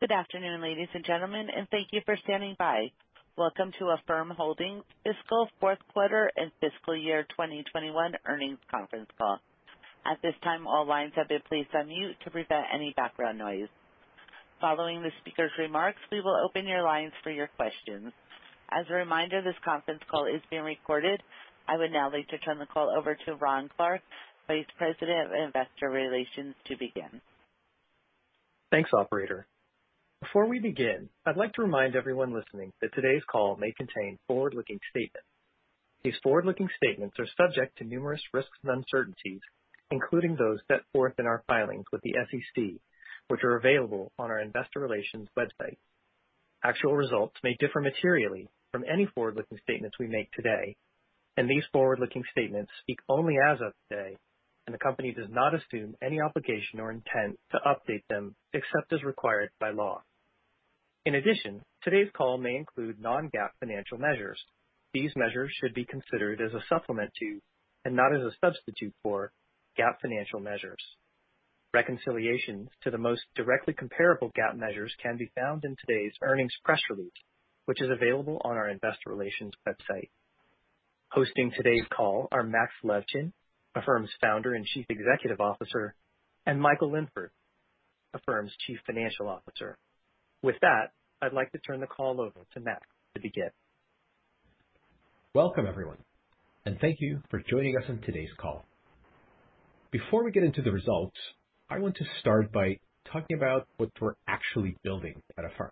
Good afternoon, ladies and gentlemen, and thank you for standing by. Welcome to Affirm Holdings fiscal fourth quarter and fiscal year 2021 earnings conference call. At this time, all lines have been placed on mute to prevent any background noise. Following the speaker's remarks, we will open your lines for your questions. As a reminder, this conference call is being recorded. I would now like to turn the call over to Ron Clark, Vice President of Investor Relations, to begin. Thanks, operator. Before we begin, I'd like to remind everyone listening that today's call may contain forward-looking statements. These forward-looking statements are subject to numerous risks and uncertainties, including those set forth in our filings with the SEC, which are available on our Investor Relations website. Actual results may differ materially from any forward-looking statements we make today, and these forward-looking statements speak only as of today, and the company does not assume any obligation or intent to update them except as required by law. In addition, today's call may include non-GAAP financial measures. These measures should be considered as a supplement to, and not as a substitute for, GAAP financial measures. Reconciliations to the most directly comparable GAAP measures can be found in today's earnings press release, which is available on our Investor Relations website. Hosting today's call are Max Levchin, Affirm's Founder and Chief Executive Officer, and Michael Linford, Affirm's Chief Financial Officer. With that, I'd like to turn the call over to Max to begin. Welcome, everyone, and thank you for joining us on today's call. Before we get into the results, I want to start by talking about what we're actually building at Affirm.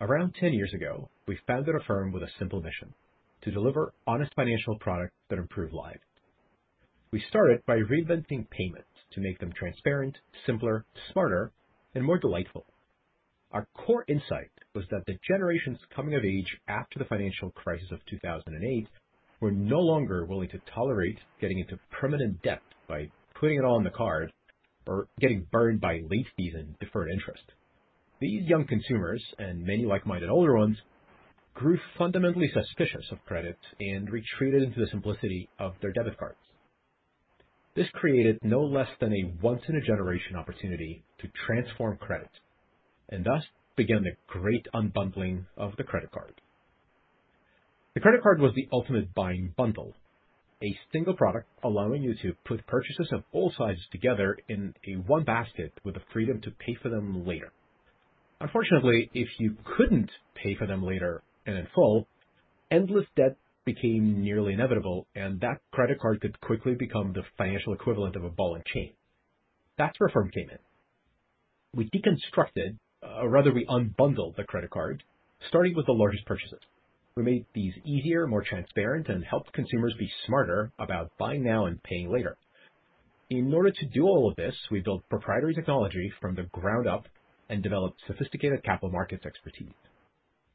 Around 10 years ago, we founded Affirm with a simple mission: to deliver honest financial products that improve lives. We started by reinventing payments to make them transparent, simpler, smarter, and more delightful. Our core insight was that the generations coming of age after the financial crisis of 2008 were no longer willing to tolerate getting into permanent debt by putting it all on the card or getting burned by late fees and deferred interest. These young consumers, and many like-minded older ones, grew fundamentally suspicious of credit and retreated into the simplicity of their debit cards. This created no less than a once-in-a-generation opportunity to transform credit, and thus began the great unbundling of the credit card. The credit card was the ultimate buying bundle, a single product allowing you to put purchases of all sizes together in a one basket with the freedom to pay for them later. Unfortunately, if you couldn't pay for them later and in full, endless debt became nearly inevitable, and that credit card could quickly become the financial equivalent of a ball and chain. That's where Affirm came in. We deconstructed, or rather we unbundled the credit card, starting with the largest purchases. We made these easier, more transparent, and helped consumers be smarter about buying now and paying later. In order to do all of this, we built proprietary technology from the ground up and developed sophisticated capital markets expertise.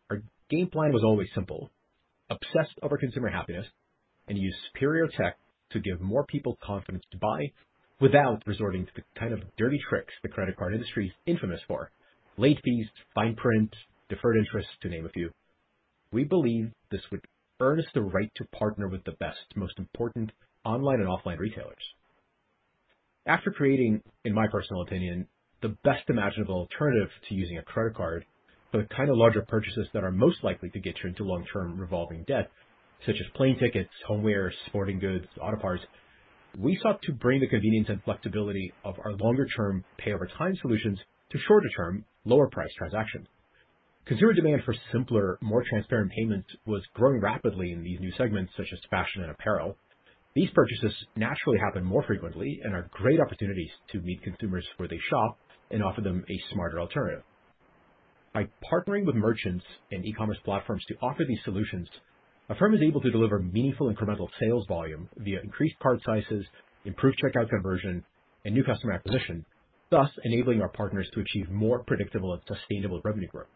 Our game plan was always simple, obsessed over consumer happiness, and used superior tech to give more people confidence to buy without resorting to the kind of dirty tricks the credit card industry is infamous for. Late fees, fine print, deferred interest, to name a few. We believe this would earn us the right to partner with the best, most important online and offline retailers. After creating, in my personal opinion, the best imaginable alternative to using a credit card for the kind of larger purchases that are most likely to get you into long-term revolving debt, such as plane tickets, homeware, sporting goods, auto parts. We sought to bring the convenience and flexibility of our longer-term pay over time solutions to shorter-term, lower-price transactions. Consumer demand for simpler, more transparent payments was growing rapidly in these new segments, such as fashion and apparel. These purchases naturally happen more frequently and are great opportunities to meet consumers where they shop and offer them a smarter alternative. By partnering with merchants and e-commerce platforms to offer these solutions, Affirm is able to deliver meaningful incremental sales volume via increased card sizes, improved checkout conversion, and new customer acquisition, thus enabling our partners to achieve more predictable and sustainable revenue growth.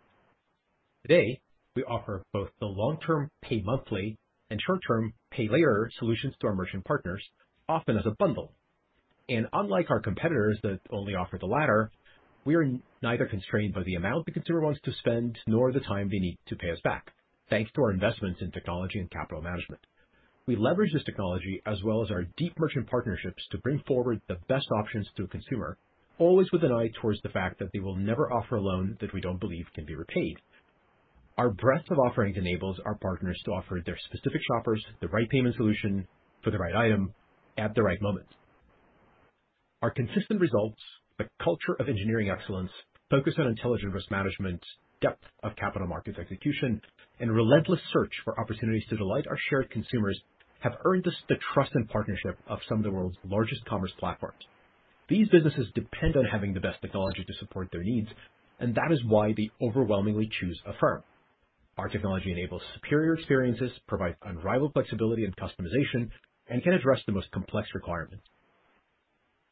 Today, we offer both the long-term pay monthly and short-term pay later solutions to our merchant partners, often as a bundle. Unlike our competitors that only offer the latter, we are neither constrained by the amount the consumer wants to spend nor the time they need to pay us back, thanks to our investments in technology and capital management. We leverage this technology as well as our deep merchant partnerships to bring forward the best options to a consumer, always with an eye towards the fact that they will never offer a loan that we don't believe can be repaid. Our breadth of offerings enables our partners to offer their specific shoppers the right payment solution for the right item at the right moment. Our consistent results, a culture of engineering excellence, focus on intelligent risk management, depth of capital markets execution, and relentless search for opportunities to delight our shared consumers have earned us the trust and partnership of some of the world's largest commerce platforms. These businesses depend on having the best technology to support their needs, and that is why they overwhelmingly choose Affirm. Our technology enables superior experiences, provides unrivaled flexibility and customization, and can address the most complex requirements.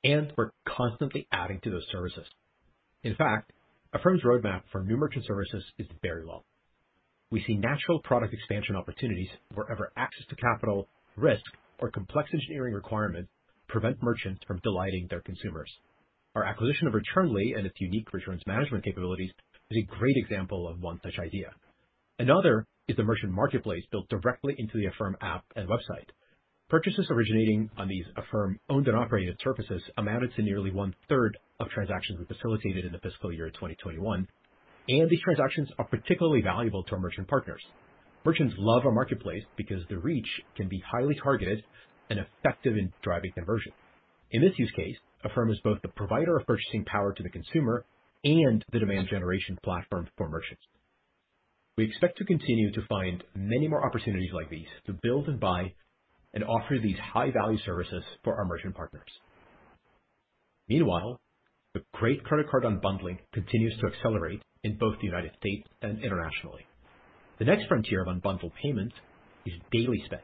We're constantly adding to those services. In fact, Affirm's roadmap for new merchant services is very long. We see natural product expansion opportunities wherever access to capital, risk, or complex engineering requirements prevent merchants from delighting their consumers. Our acquisition of Returnly and its unique returns management capabilities is a great example of one such idea. Another is the merchant marketplace built directly into the Affirm app and website. Purchases originating on these Affirm owned and operated surfaces amounted to nearly one third of transactions we facilitated in the fiscal year 2021, and these transactions are particularly valuable to our merchant partners. Merchants love our marketplace because the reach can be highly targeted and effective in driving conversion. In this use case, Affirm is both the provider of purchasing power to the consumer and the demand generation platform for merchants. We expect to continue to find many more opportunities like these to build and buy and offer these high-value services for our merchant partners. Meanwhile, the great credit card unbundling continues to accelerate in both the United States and internationally. The next frontier of unbundled payments is daily spend,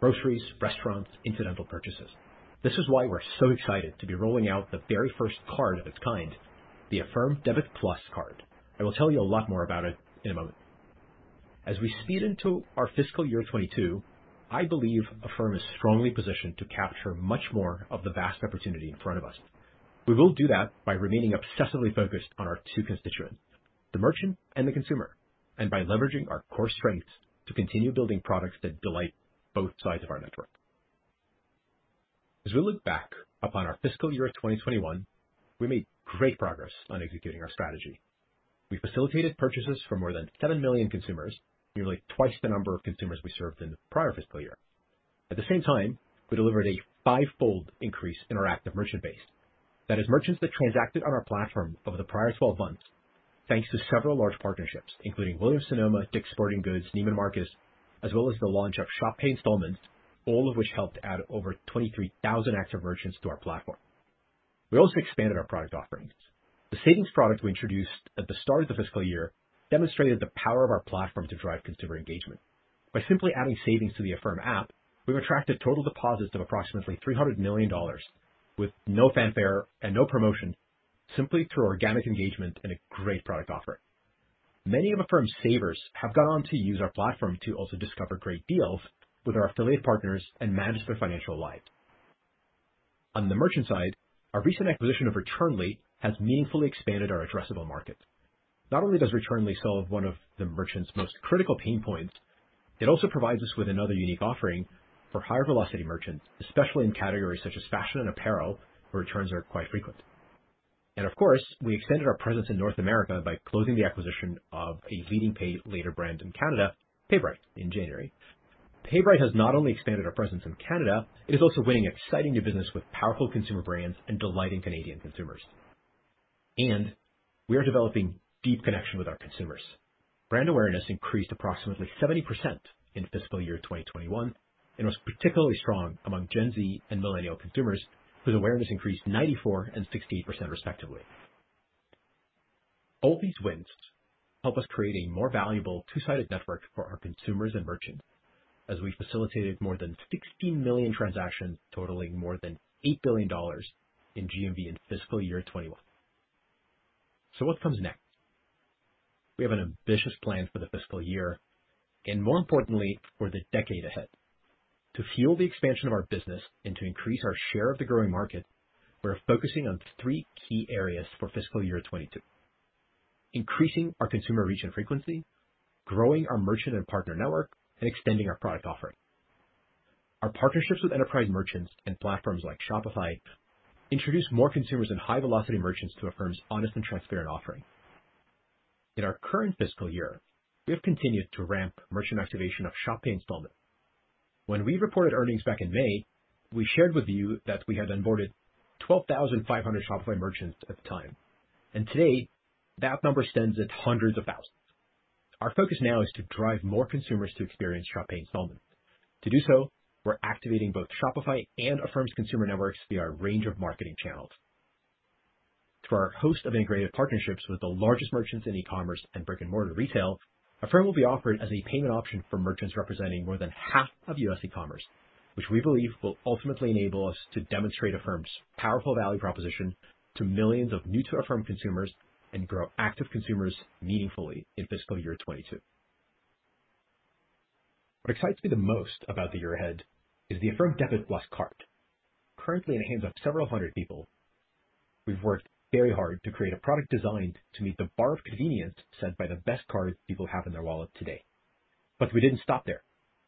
groceries, restaurants, incidental purchases. This is why we're so excited to be rolling out the very first card of its kind, the Affirm Debit+ Card. I will tell you a lot more about it in a moment. As we speed into our fiscal year 2022, I believe Affirm is strongly positioned to capture much more of the vast opportunity in front of us. We will do that by remaining obsessively focused on our two constituents, the merchant and the consumer, and by leveraging our core strengths to continue building products that delight both sides of our network. As we look back upon our fiscal year 2021, we made great progress on executing our strategy. We facilitated purchases for more than 7 million consumers, nearly twice the number of consumers we served in the prior fiscal year. At the same time, we delivered a fivefold increase in our active merchant base. That is merchants that transacted on our platform over the prior 12 months, thanks to several large partnerships, including Williams-Sonoma, Dick's Sporting Goods, Neiman Marcus, as well as the launch of Shop Pay Installments, all of which helped add over 23,000 active merchants to our platform. We also expanded our product offerings. The Savings product we introduced at the start of the fiscal year demonstrated the power of our platform to drive consumer engagement. By simply adding Savings to the Affirm app, we've attracted total deposits of approximately $300 million with no fanfare and no promotion, simply through organic engagement and a great product offer. Many of Affirm's savers have gone on to use our platform to also discover great deals with our affiliate partners and manage their financial lives. On the merchant side, our recent acquisition of Returnly has meaningfully expanded our addressable market. Not only does Returnly solve one of the merchant's most critical pain points, it also provides us with another unique offering for higher velocity merchants, especially in categories such as fashion and apparel, where returns are quite frequent. Of course, we extended our presence in North America by closing the acquisition of a leading pay later brand in Canada, PayBright, in January. PayBright has not only expanded our presence in Canada, it is also winning exciting new business with powerful consumer brands and delighting Canadian consumers. We are developing deep connection with our consumers. Brand awareness increased approximately 70% in fiscal year 2021 and was particularly strong among Gen Z and millennial consumers, whose awareness increased 94% and 68% respectively. All these wins help us create a more valuable two-sided network for our consumers and merchants as we facilitated more than 16 million transactions totaling more than $8 billion in GMV in fiscal year 2021. What comes next? We have an ambitious plan for the fiscal year and more importantly, for the decade ahead. To fuel the expansion of our business and to increase our share of the growing market, we're focusing on three key areas for fiscal year 2022. Increasing our consumer reach and frequency, growing our merchant and partner network, and extending our product offering. Our partnerships with enterprise merchants and platforms like Shopify introduce more consumers and high-velocity merchants to Affirm's honest and transparent offering. In our current fiscal year, we have continued to ramp merchant activation of Shop Pay Installments. When we reported earnings back in May, we shared with you that we had onboarded 12,500 Shopify merchants at the time, and today that number stands at hundreds of thousands. Our focus now is to drive more consumers to experience Shop Pay Installments. To do so, we're activating both Shopify and Affirm's consumer networks via our range of marketing channels. Through our host of integrated partnerships with the largest merchants in e-commerce and brick and mortar retail, Affirm will be offered as a payment option for merchants representing more than half of U.S. e-commerce, which we believe will ultimately enable us to demonstrate Affirm's powerful value proposition to millions of new to Affirm consumers and grow active consumers meaningfully in fiscal year 2022. What excites me the most about the year ahead is the Affirm Debit+ Card. Currently in the hands of several hundred people, we've worked very hard to create a product designed to meet the bar of convenience set by the best cards people have in their wallet today. We didn't stop there.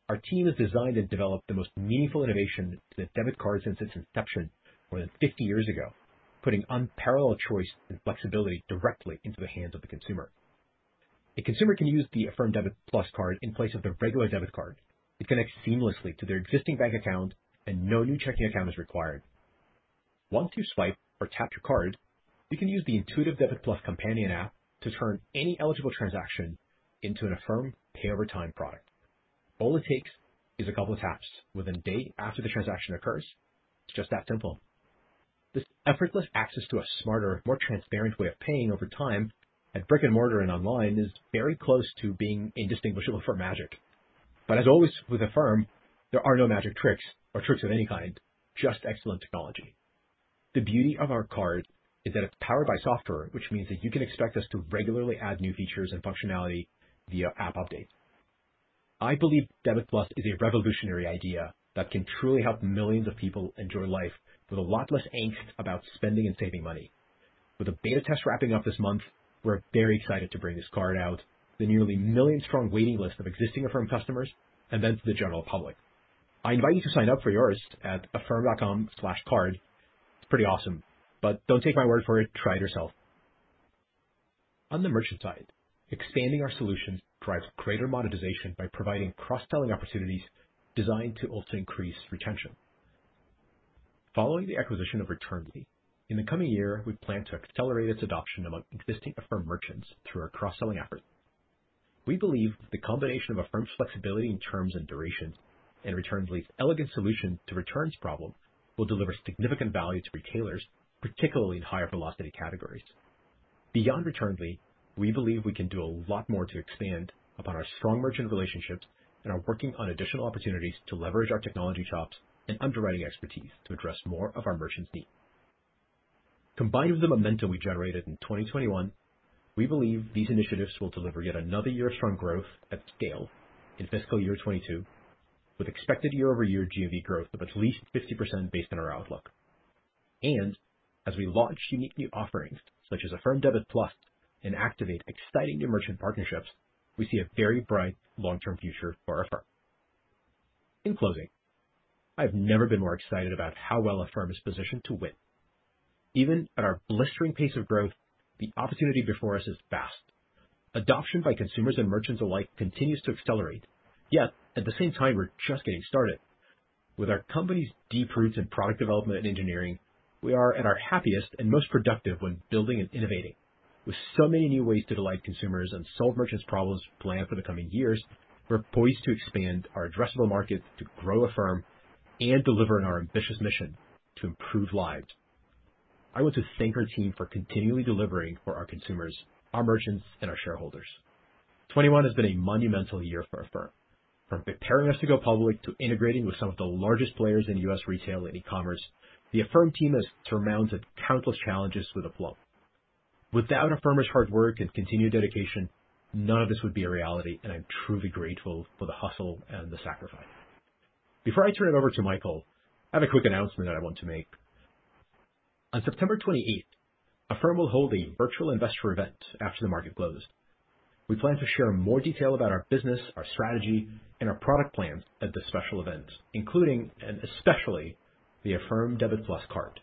Our team has designed and developed the most meaningful innovation to the debit card since its inception more than 50 years ago, putting unparalleled choice and flexibility directly into the hands of the consumer. A consumer can use the Affirm Debit+ Card in place of their regular debit card. It connects seamlessly to their existing bank account, and no new checking account is required. Once you swipe or tap your card, you can use the intuitive Debit+ companion app to turn any eligible transaction into an Affirm pay over time product. All it takes is a couple of taps within a day after the transaction occurs. It's just that simple. This effortless access to a smarter, more transparent way of paying over time at brick and mortar and online is very close to being indistinguishable from magic. As always with Affirm, there are no magic tricks or tricks of any kind, just excellent technology. The beauty of our card is that it's powered by software, which means that you can expect us to regularly add new features and functionality via app updates. I believe the Affirm Card is a revolutionary idea that can truly help millions of people enjoy life with a lot less angst about spending and saving money. With the beta test wrapping up this month, we're very excited to bring this card out to the nearly 1 million-strong waiting list of existing Affirm customers, and then to the general public. I invite you to sign up for yours at affirm.com/card. It's pretty awesome. Don't take my word for it, try it yourself. On the merchant side, expanding our solutions drives greater monetization by providing cross-selling opportunities designed to also increase retention. Following the acquisition of Returnly, in the coming year, we plan to accelerate its adoption among existing Affirm merchants through our cross-selling efforts. We believe that the combination of Affirm's flexibility in terms and duration and Returnly's elegant solution to returns problem will deliver significant value to retailers, particularly in higher velocity categories. Beyond Returnly, we believe we can do a lot more to expand upon our strong merchant relationships and are working on additional opportunities to leverage our technology chops and underwriting expertise to address more of our merchants' needs. Combined with the momentum we generated in 2021, we believe these initiatives will deliver yet another year of strong growth at scale in fiscal year 2022, with expected year-over-year GMV growth of at least 50%, based on our outlook. As we launch unique new offerings, such as Affirm Debit+, and activate exciting new merchant partnerships, we see a very bright long-term future for Affirm. In closing, I've never been more excited about how well Affirm is positioned to win. Even at our blistering pace of growth, the opportunity before us is vast. Adoption by consumers and merchants alike continues to accelerate. At the same time, we're just getting started. With our company's deep roots in product development and engineering, we are at our happiest and most productive when building and innovating. With so many new ways to delight consumers and solve merchants' problems planned for the coming years, we're poised to expand our addressable market to grow Affirm and deliver on our ambitious mission to improve lives. I want to thank our team for continually delivering for our consumers, our merchants, and our shareholders. 2021 has been a monumental year for Affirm. From preparing us to go public to integrating with some of the largest players in U.S. retail and e-commerce, the Affirm team has surmounted countless challenges with aplomb. Without Affirmers' hard work and continued dedication, none of this would be a reality, and I'm truly grateful for the hustle and the sacrifice. Before I turn it over to Michael, I have a quick announcement that I want to make. On September 28th, Affirm will hold a virtual investor event after the market closed. We plan to share more detail about our business, our strategy, and our product plans at this special event, including, and especially, the Affirm Debit+ Card.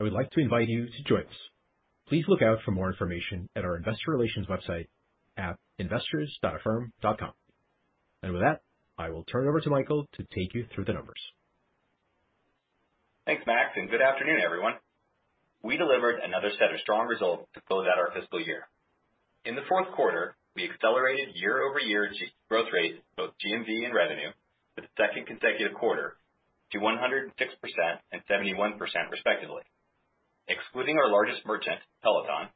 I would like to invite you to join us. Please look out for more information at our Investor Relations website at investors.affirm.com. With that, I will turn it over to Michael to take you through the numbers. Thanks, Max. Good afternoon, everyone. We delivered another set of strong results to close out our fiscal year. In the fourth quarter, we accelerated year-over-year growth rates, both GMV and revenue, for the second consecutive quarter to 106% and 71% respectively. Excluding our largest merchant, Peloton,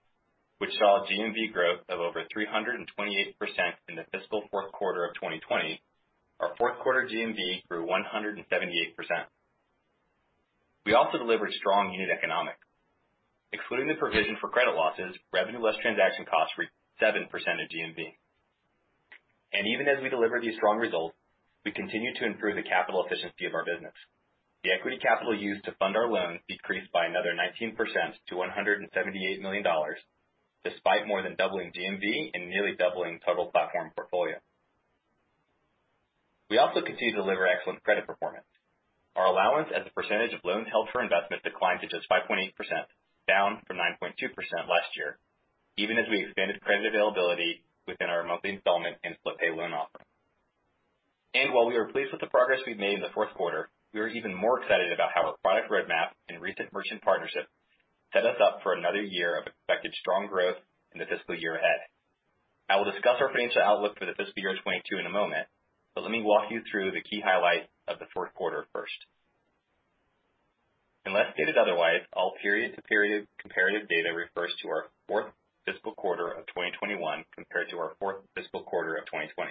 which saw GMV growth of over 328% in the fiscal fourth quarter of 2020, our fourth quarter GMV grew 178%. We also delivered strong unit economics. Excluding the provision for credit losses, revenue less transaction costs reached 7% of GMV. Even as we deliver these strong results, we continue to improve the capital efficiency of our business. The equity capital used to fund our loans decreased by another 19% to $178 million, despite more than doubling GMV and nearly doubling total platform portfolio. We also continue to deliver excellent credit performance. Our allowance as a percentage of loans held for investment declined to just 5.8%, down from 9.2% last year, even as we expanded credit availability within our monthly installment and Split Pay loan offering. While we are pleased with the progress we've made in the fourth quarter, we are even more excited about how our product roadmap and recent merchant partnerships set us up for another year of expected strong growth in the fiscal year ahead. I will discuss our financial outlook for the fiscal year 2022 in a moment, but let me walk you through the key highlights of the fourth quarter first. Unless stated otherwise, all period to period comparative data refers to our fourth fiscal quarter of 2021 compared to our fourth fiscal quarter of 2020.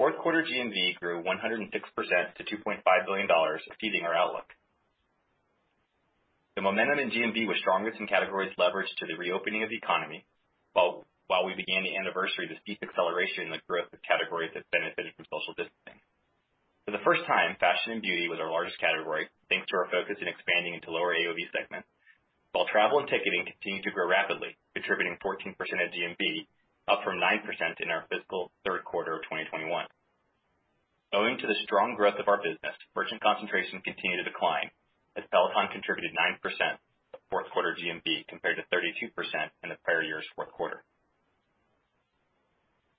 Fourth quarter GMV grew 106% to $2.5 billion, exceeding our outlook. The momentum in GMV was strongest in categories leveraged to the reopening of the economy, while we began to anniversary the steep acceleration in the growth of categories that benefited from social distancing. For the first time, fashion and beauty was our largest category, thanks to our focus in expanding into lower AOV segments. While travel and ticketing continued to grow rapidly, contributing 14% of GMV, up from 9% in our fiscal third quarter of 2021. Owing to the strong growth of our business, merchant concentration continued to decline, as Peloton contributed 9% of fourth quarter GMV, compared to 32% in the prior year's fourth quarter.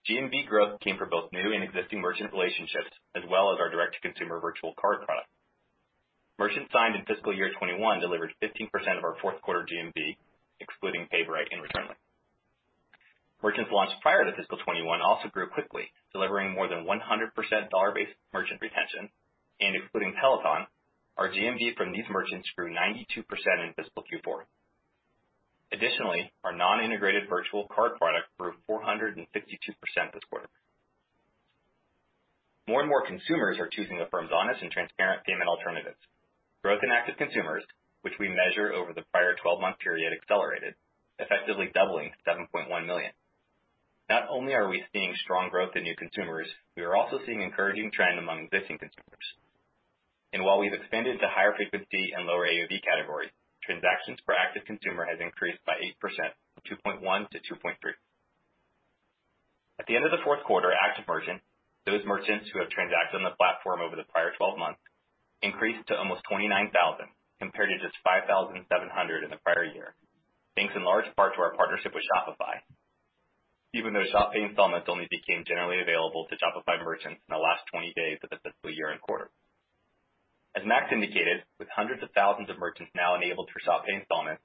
GMV growth came from both new and existing merchant relationships, as well as our direct-to-consumer virtual card product. Merchants signed in fiscal year 2021 delivered 15% of our fourth quarter GMV, excluding PayBright and Returnly. Merchants launched prior to fiscal 2021 also grew quickly, delivering more than 100% dollar-based merchant retention. Excluding Peloton, our GMV from these merchants grew 92% in fiscal Q4. Additionally, our non-integrated virtual card product grew 452% this quarter. More and more consumers are choosing Affirm's honest and transparent payment alternatives. Growth in active consumers, which we measure over the prior 12-month period, accelerated, effectively doubling to 7.1 million. Not only are we seeing strong growth in new consumers, we are also seeing encouraging trend among existing consumers. While we've expanded to higher frequency and lower AOV categories, transactions per active consumer has increased by 8%, from 2.1-2.3. At the end of the fourth quarter, active merchant, those merchants who have transacted on the platform over the prior 12 months, increased to almost 29,000, compared to just 5,700 in the prior year, thanks in large part to our partnership with Shopify. Even though Shop Pay Installments only became generally available to Shopify merchants in the last 20 days of the fiscal year and quarter. As Max indicated, with hundreds of thousands of merchants now enabled for Shop Pay Installments,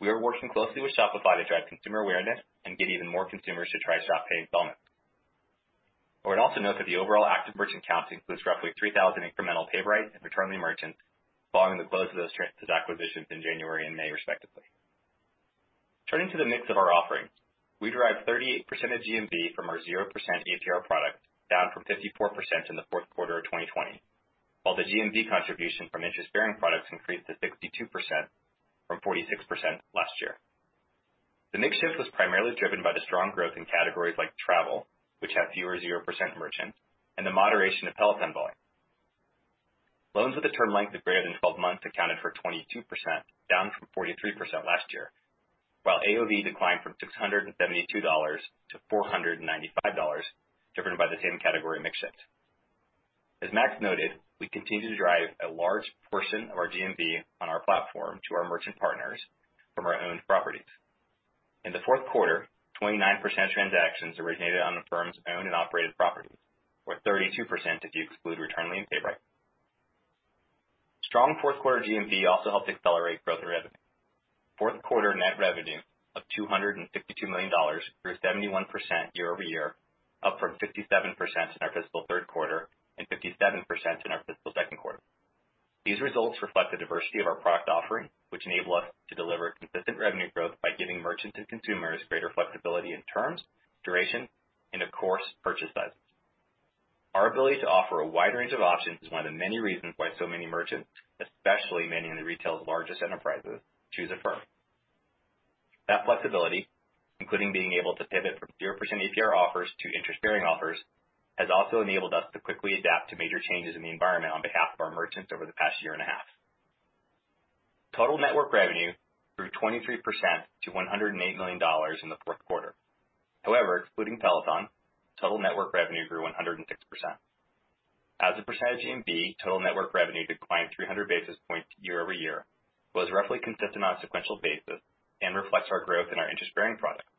we are working closely with Shopify to drive consumer awareness and get even more consumers to try Shop Pay Installments. I would also note that the overall active merchant count includes roughly 3,000 incremental PayBright and Returnly merchants following the close of those acquisitions in January and May, respectively. Turning to the mix of our offerings, we derived 38% of GMV from our 0% APR product, down from 54% in the fourth quarter of 2020, while the GMV contribution from interest-bearing products increased to 62% from 46% last year. The mix shift was primarily driven by the strong growth in categories like travel, which had fewer 0% merchants, and the moderation of health and wellbeing. Loans with a term length of greater than 12 months accounted for 22%, down from 43% last year, while AOV declined from $672 to $495, driven by the same category mix shift. As Max noted, we continue to drive a large portion of our GMV on our platform to our merchant partners from our own properties. In the fourth quarter, 29% of transactions originated on Affirm's owned and operated properties, or 32% if you exclude Returnly and PayBright. Strong fourth quarter GMV also helped accelerate growth in revenue. Fourth quarter net revenue of $262 million grew 71% year-over-year, up from 57% in our fiscal third quarter and 57% in our fiscal second quarter. These results reflect the diversity of our product offering, which enable us to deliver consistent revenue growth by giving merchants and consumers greater flexibility in terms, duration, and of course, purchase sizes. Our ability to offer a wide range of options is one of the many reasons why so many merchants, especially many of the retail's largest enterprises, choose Affirm. That flexibility, including being able to pivot from 0% APR offers to interest-bearing offers, has also enabled us to quickly adapt to major changes in the environment on behalf of our merchants over the past year and a half. Total network revenue grew 23% to $108 million in the fourth quarter. However, excluding Peloton, total network revenue grew 106%. As a percentage of GMV, total network revenue declined 300 basis points year-over-year, was roughly consistent on a sequential basis, and reflects our growth in our interest-bearing products,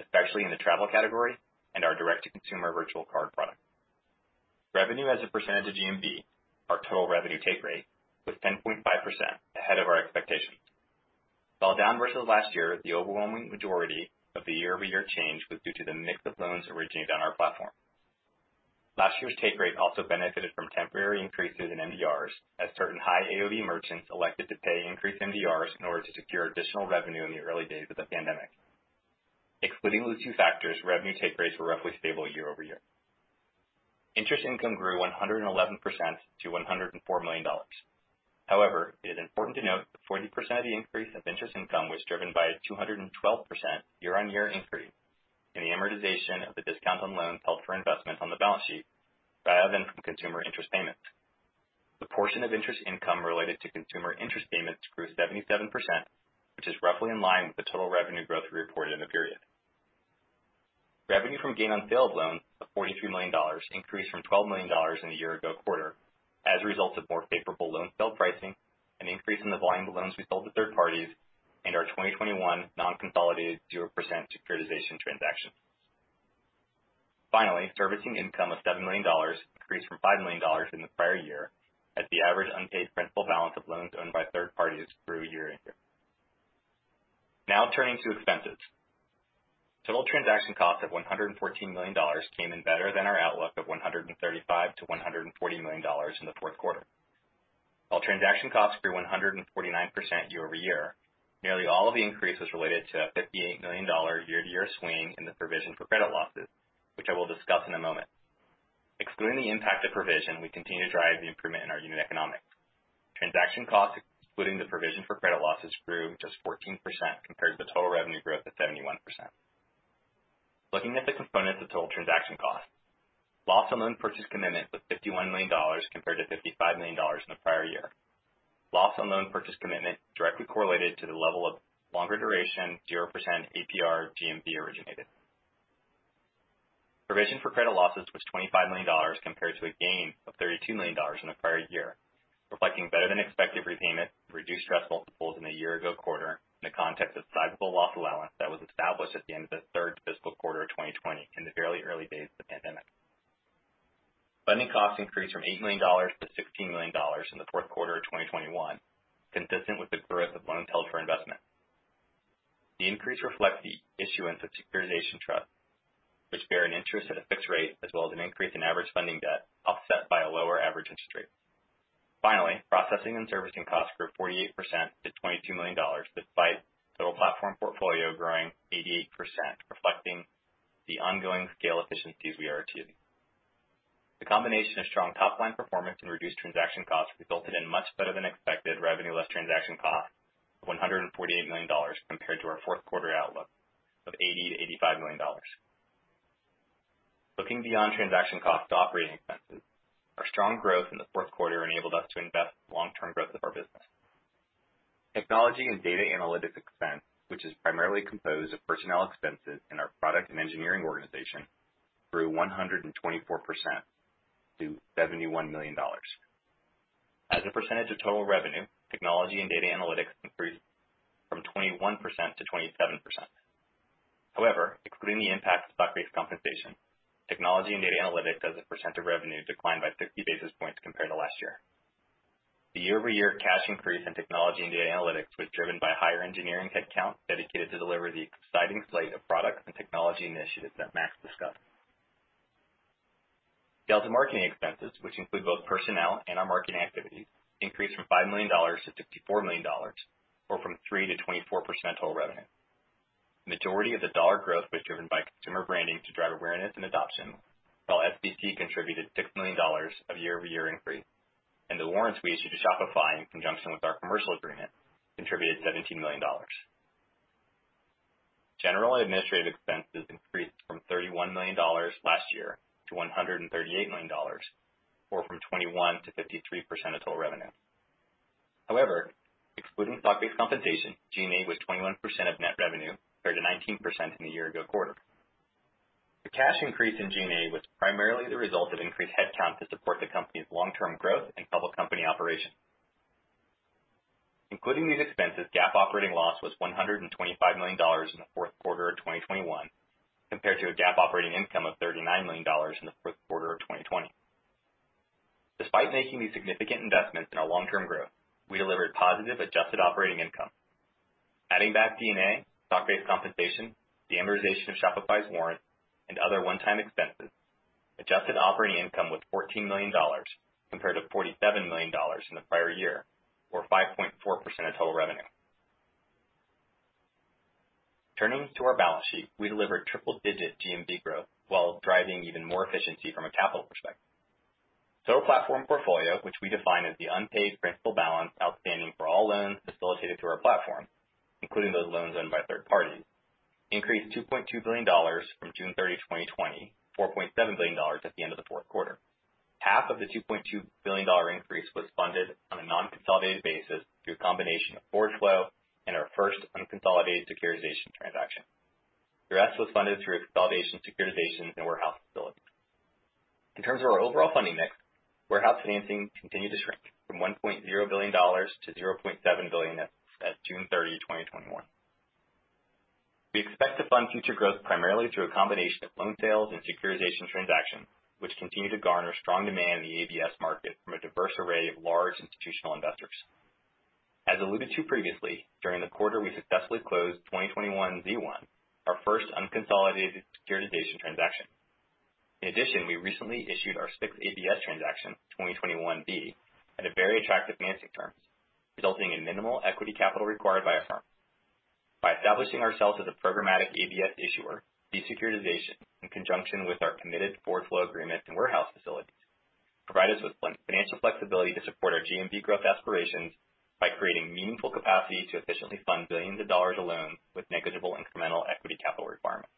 especially in the travel category and our direct-to-consumer virtual card product. Revenue as a percentage of GMV, our total revenue take rate, was 10.5%, ahead of our expectations. While down versus last year, the overwhelming majority of the year-over-year change was due to the mix of loans originated on our platform. Last year's take rate also benefited from temporary increases in MDRs as certain high AOV merchants elected to pay increased MDRs in order to secure additional revenue in the early days of the pandemic. Excluding those two factors, revenue take rates were roughly stable year-over-year. Interest income grew 111% to $104 million. However, it is important to note that 40% of the increase of interest income was driven by a 212% year-on-year increase in the amortization of the discount on loans held for investment on the balance sheet rather than from consumer interest payments. The portion of interest income related to consumer interest payments grew 77%, which is roughly in line with the total revenue growth we reported in the period. Revenue from gain on sale of loans of $43 million increased from $12 million in the year ago quarter as a result of more favorable loan sale pricing, an increase in the volume of loans we sold to third parties, and our 2021 non-consolidated 0% securitization transaction. Finally, servicing income of $7 million increased from $5 million in the prior year as the average unpaid principal balance of loans owned by third parties grew year-over-year. Now turning to expenses. Total transaction costs of $114 million came in better than our outlook of $135 million-$140 million in the fourth quarter. While transaction costs grew 149% year-over-year, nearly all of the increase was related to a $58 million year-to-year swing in the provision for credit losses, which I will discuss in a moment. Excluding the impact of provision, we continue to drive the improvement in our unit economics. Transaction costs, excluding the provision for credit losses, grew just 14% compared to the total revenue growth of 71%. Looking at the components of total transaction cost. Loss on loan purchase commitment was $51 million, compared to $55 million in the prior year. Loss on loan purchase commitment directly correlated to the level of longer duration 0% APR GMV originated. Provision for credit losses was $25 million, compared to a gain of $32 million in the prior year, reflecting better-than-expected repayment and reduced risk multiples in the year ago quarter in the context of sizable loss allowance that was established at the end of the third fiscal quarter of 2020 in the very early days of the pandemic. Funding costs increased from $8 million to $16 million in the fourth quarter of 2021, consistent with the growth of loans held for investment. The increase reflects the issuance of securitization trusts, which bear an interest at a fixed rate, as well as an increase in average funding debt offset by a lower average interest rate. Processing and servicing costs grew 48% to $22 million, despite total platform portfolio growing 88%, reflecting the ongoing scale efficiencies we are achieving. The combination of strong top-line performance and reduced transaction costs resulted in much better than expected revenue less transaction costs of $148 million compared to our fourth quarter outlook of $80 million-$85 million. Looking beyond transaction costs to operating expenses, our strong growth in the fourth quarter enabled us to invest in the long-term growth of our business. Technology and data analytics expense, which is primarily composed of personnel expenses in our product and engineering organization, grew 124% to $71 million. As a percentage of total revenue, technology and data analytics increased from 21% to 27%. However, excluding the impact of stock-based compensation, technology and data analytics as a percent of revenue declined by 50 basis points compared to last year. The year-over-year cash increase in technology and data analytics was driven by higher engineering headcount dedicated to deliver the exciting slate of products and technology initiatives that Max discussed. Sales and marketing expenses, which include both personnel and our marketing activities, increased from $5 million to $54 million or from 3% to 24% of total revenue. The majority of the dollar growth was driven by consumer branding to drive awareness and adoption, while SBC contributed $6 million of year-over-year increase, and the warrants we issued to Shopify in conjunction with our commercial agreement contributed $17 million. General and administrative expenses increased from $31 million last year to $138 million, or from 21% to 53% of total revenue. However, excluding stock-based compensation, G&A was 21% of net revenue compared to 19% in the year ago quarter. The cash increase in G&A was primarily the result of increased headcount to support the company's long-term growth and public company operations. Including these expenses, GAAP operating loss was $125 million in the fourth quarter of 2021 compared to a GAAP operating income of $39 million in the fourth quarter of 2020. Despite making these significant investments in our long-term growth, we delivered positive adjusted operating income. Adding back G&A, stock-based compensation, the amortization of Shopify's warrant, and other one-time expenses, adjusted operating income was $14 million compared to $47 million in the prior year, or 5.4% of total revenue. Turning to our balance sheet, we delivered triple-digit GMV growth while driving even more efficiency from a capital perspective. Total platform portfolio, which we define as the unpaid principal balance outstanding for all loans facilitated through our platform, including those loans owned by third parties, increased $2.2 billion from June 30, 2020 to $4.7 billion at the end of the fourth quarter. Half of the $2.2 billion increase was funded on a non-consolidated basis through a combination of forward flow and our first unconsolidated securitization transaction. The rest was funded through consolidation, securitizations, and warehouse facilities. In terms of our overall funding mix, warehouse financing continued to shrink from $1.0 billion to $0.7 billion at June 30, 2021. We expect to fund future growth primarily through a combination of loan sales and securitization transactions, which continue to garner strong demand in the ABS market from a diverse array of large institutional investors. As alluded to previously, during the quarter, we successfully closed 2021-Z1, our first unconsolidated securitization transaction. In addition, we recently issued our 6th ABS transaction, 2021-B, at a very attractive financing term, resulting in minimal equity capital required by Affirm. By establishing ourselves as a programmatic ABS issuer, these securitizations, in conjunction with our committed forward flow agreements and warehouse facilities, provide us with financial flexibility to support our GMV growth aspirations by creating meaningful capacity to efficiently fund billions of dollars of loans with negligible incremental equity capital requirements.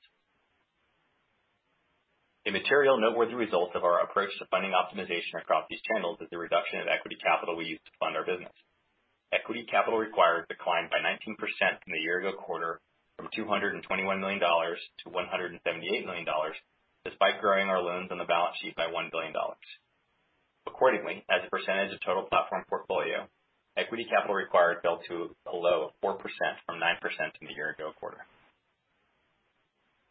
A material noteworthy result of our approach to funding optimization across these channels is the reduction in equity capital we use to fund our business. Equity capital required declined by 19% from the year-ago quarter from $221 million to $178 million, despite growing our loans on the balance sheet by $1 billion. Accordingly, as a percentage of total platform portfolio, equity capital required fell to a low of 4% from 9% in the year ago quarter.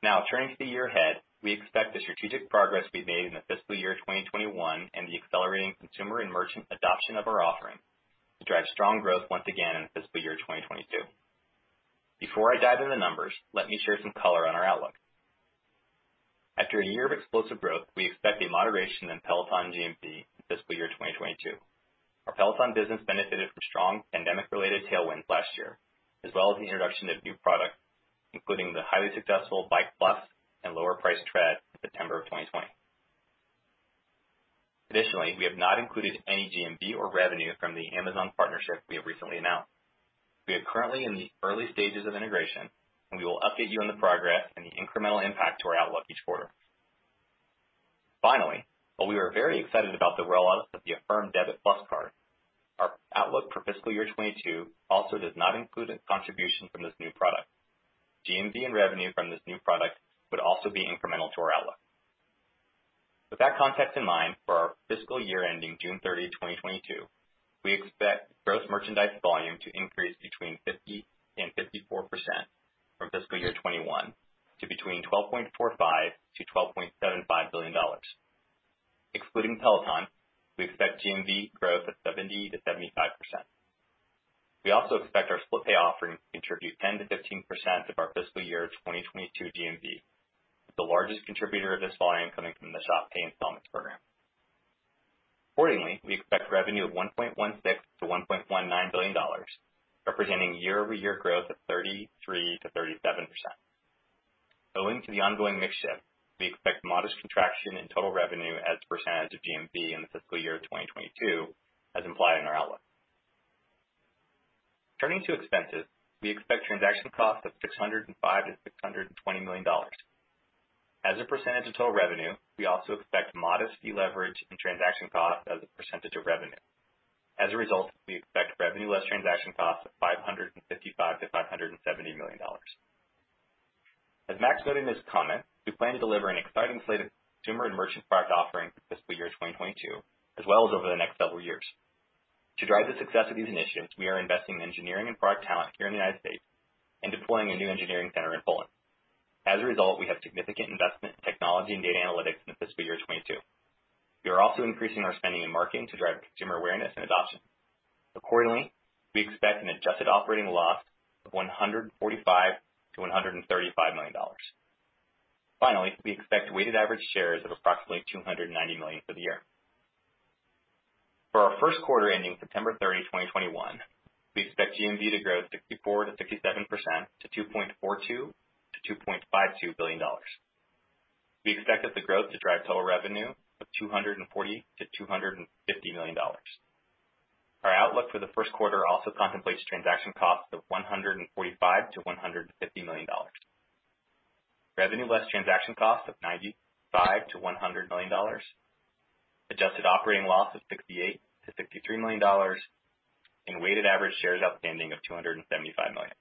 Now, turning to the year ahead, we expect the strategic progress we've made in the fiscal year 2021 and the accelerating consumer and merchant adoption of our offering to drive strong growth once again in fiscal year 2022. Before I dive into numbers, let me share some color on our outlook. After a year of explosive growth, we expect a moderation in Peloton GMV in fiscal year 2022. Our Peloton business benefited from strong pandemic-related tailwinds last year, as well as the introduction of new products, including the highly successful Bike+ and lower priced Tread in September of 2020. Additionally, we have not included any GMV or revenue from the Amazon partnership we have recently announced. We are currently in the early stages of integration. We will update you on the progress and the incremental impact to our outlook each quarter. Finally, while we are very excited about the rollout of the Affirm Debit+ Card, our outlook for fiscal year 2022 also does not include a contribution from this new product. GMV and revenue from this new product would also be incremental to our outlook. With that context in mind, for our fiscal year ending June 30, 2022, we expect gross merchandise volume to increase between 50% and 54% from fiscal year 2021 to between $12.45 billion-$12.75 billion. Excluding Peloton, we expect GMV growth of 70%-75%. We also expect our Split Pay offering to contribute 10%-15% of our fiscal year 2022 GMV, with the largest contributor of this volume coming from the Shop Pay Installments program. Accordingly, we expect revenue of $1.16 billion-$1.19 billion, representing year-over-year growth of 33%-37%. Owing to the ongoing mix shift, we expect modest contraction in total revenue as a percentage of GMV in the fiscal year 2022, as implied in our outlook. Turning to expenses, we expect transaction costs of $605 million-$620 million. As a percentage of total revenue, we also expect modest deleverage in transaction costs as a percentage of revenue. As a result, we expect revenue less transaction costs of $555 million-$570 million. As Max noted in his comments, we plan to deliver an exciting slate of consumer and merchant product offerings in fiscal year 2022, as well as over the next several years. To drive the success of these initiatives, we are investing in engineering and product talent here in the U.S. and deploying a new engineering center in Poland. As a result, we have significant investment in technology and data analytics in the fiscal year 2022. We are also increasing our spending in marketing to drive consumer awareness and adoption. Accordingly, we expect an adjusted operating loss of $145 million-$135 million. Finally, we expect weighted average shares of approximately 290 million for the year. For our first quarter ending September 30, 2021, we expect GMV to grow 64%-67%, to $2.42 billion-$2.52 billion. We expect the growth to drive total revenue of $240 million-$250 million. Our outlook for the first quarter also contemplates transaction costs of $145 million-$150 million, revenue less transaction cost of $95 million-$100 million, adjusted operating loss of $68 million-$63 million, and weighted average shares outstanding of 275 million.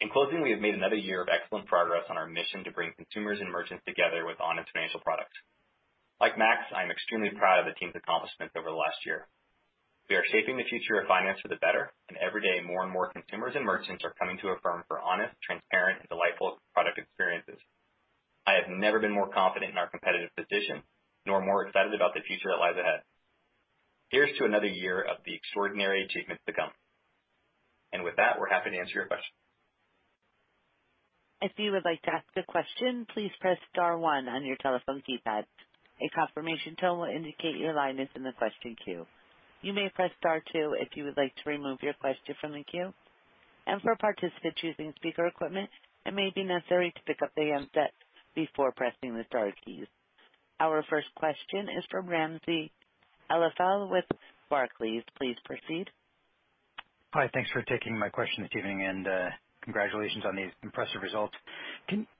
In closing, we have made another year of excellent progress on our mission to bring consumers and merchants together with honest financial products. Like Max, I am extremely proud of the team's accomplishments over the last year. Every day, more and more consumers and merchants are coming to Affirm for honest, transparent, and delightful product experiences. I have never been more confident in our competitive position, nor more excited about the future that lies ahead. Here's to another year of the extraordinary achievements to come. With that, we're happy to answer your questions. Our first question is from Ramsey El-Assal with Barclays. Please proceed. Hi. Thanks for taking my question this evening, congratulations on these impressive results.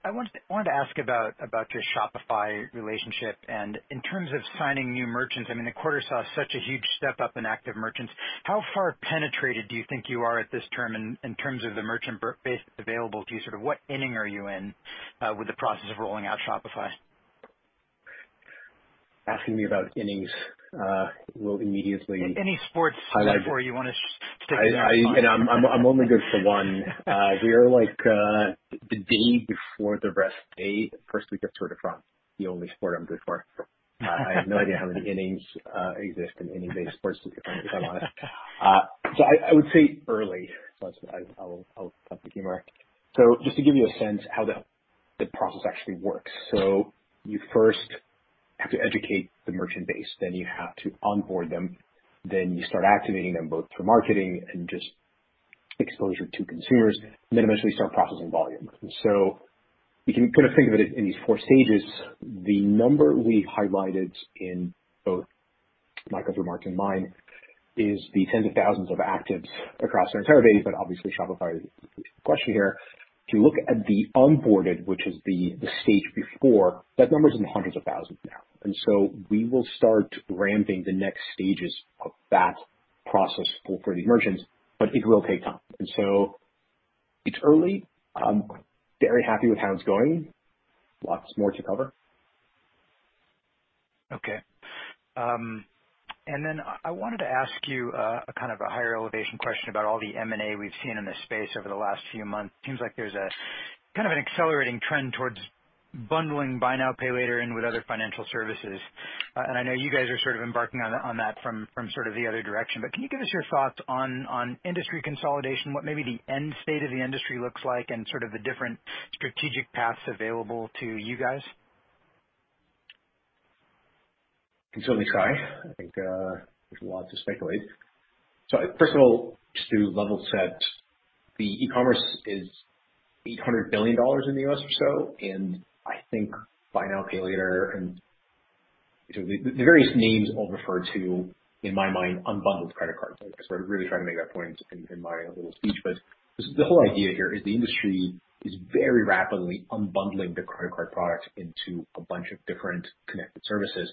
I wanted to ask about your Shopify relationship in terms of signing new merchants, I mean, the quarter saw such a huge step up in active merchants. How far penetrated do you think you are at this term in terms of the merchant base available to you, sort of what inning are you in, with the process of rolling out Shopify? Asking me about innings will immediately- Any sports metaphor you want to stick with. I'm only good for one. We are like the day before the rest day, first week of Tour de France, the only sport I'm good for. I have no idea how many innings exist in any major sports to be quite honest. I would say early. I'll keep it to humor. Just to give you a sense how the process actually works. You first have to educate the merchant base, then you have to onboard them, then you start activating them both through marketing and just exposure to consumers, and then eventually start processing volume. You can kind of think of it in these four stages. The number we highlighted in both Michael's remarks and mine is the tens of thousands of actives across our entire base, but obviously Shopify is the question here. If you look at the onboarded, which is the stage before, that number is in the hundreds of thousands now. We will start ramping the next stages of that process for the merchants, but it will take time. It's early. I'm very happy with how it's going. Lots more to cover. Okay. I wanted to ask you a kind of a higher elevation question about all the M&A we've seen in this space over the last few months. Seems like there's a kind of an accelerating trend towards bundling buy now, pay later in with other financial services. I know you guys are sort of embarking on that from sort of the other direction, but can you give us your thoughts on industry consolidation? What maybe the end state of the industry looks like and sort of the different strategic paths available to you guys? I can certainly try. I think there's a lot to speculate. First of all, just to level set, the e-commerce is $800 billion in the U.S. or so. I think buy now, pay later, and the various names all refer to, in my mind, unbundled credit cards. I really tried to make that point in my little speech. The whole idea here is the industry is very rapidly unbundling the credit card product into a bunch of different connected services.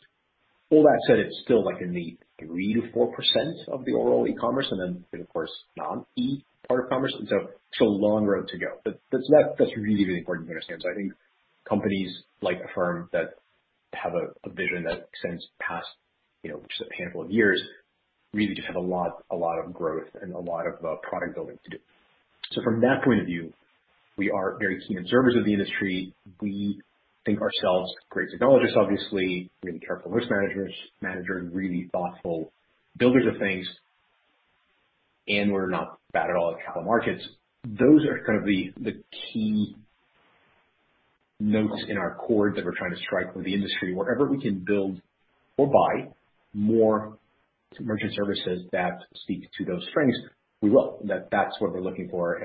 All that said, it's still like in the 3%-4% of the overall e-commerce. There's of course non-e-commerce. Long road to go. That's really important to understand. I think companies like Affirm that have a vision that extends past just a handful of years really just have a lot of growth and a lot of product building to do. From that point of view, we are very keen observers of the industry. We think ourselves great technologists, obviously, really careful risk managers, and really thoughtful builders of things. We're not bad at all at capital markets. Those are kind of the key notes in our chord that we're trying to strike with the industry. Wherever we can build or buy more merchant services that speak to those strengths, we will. That's what we're looking for.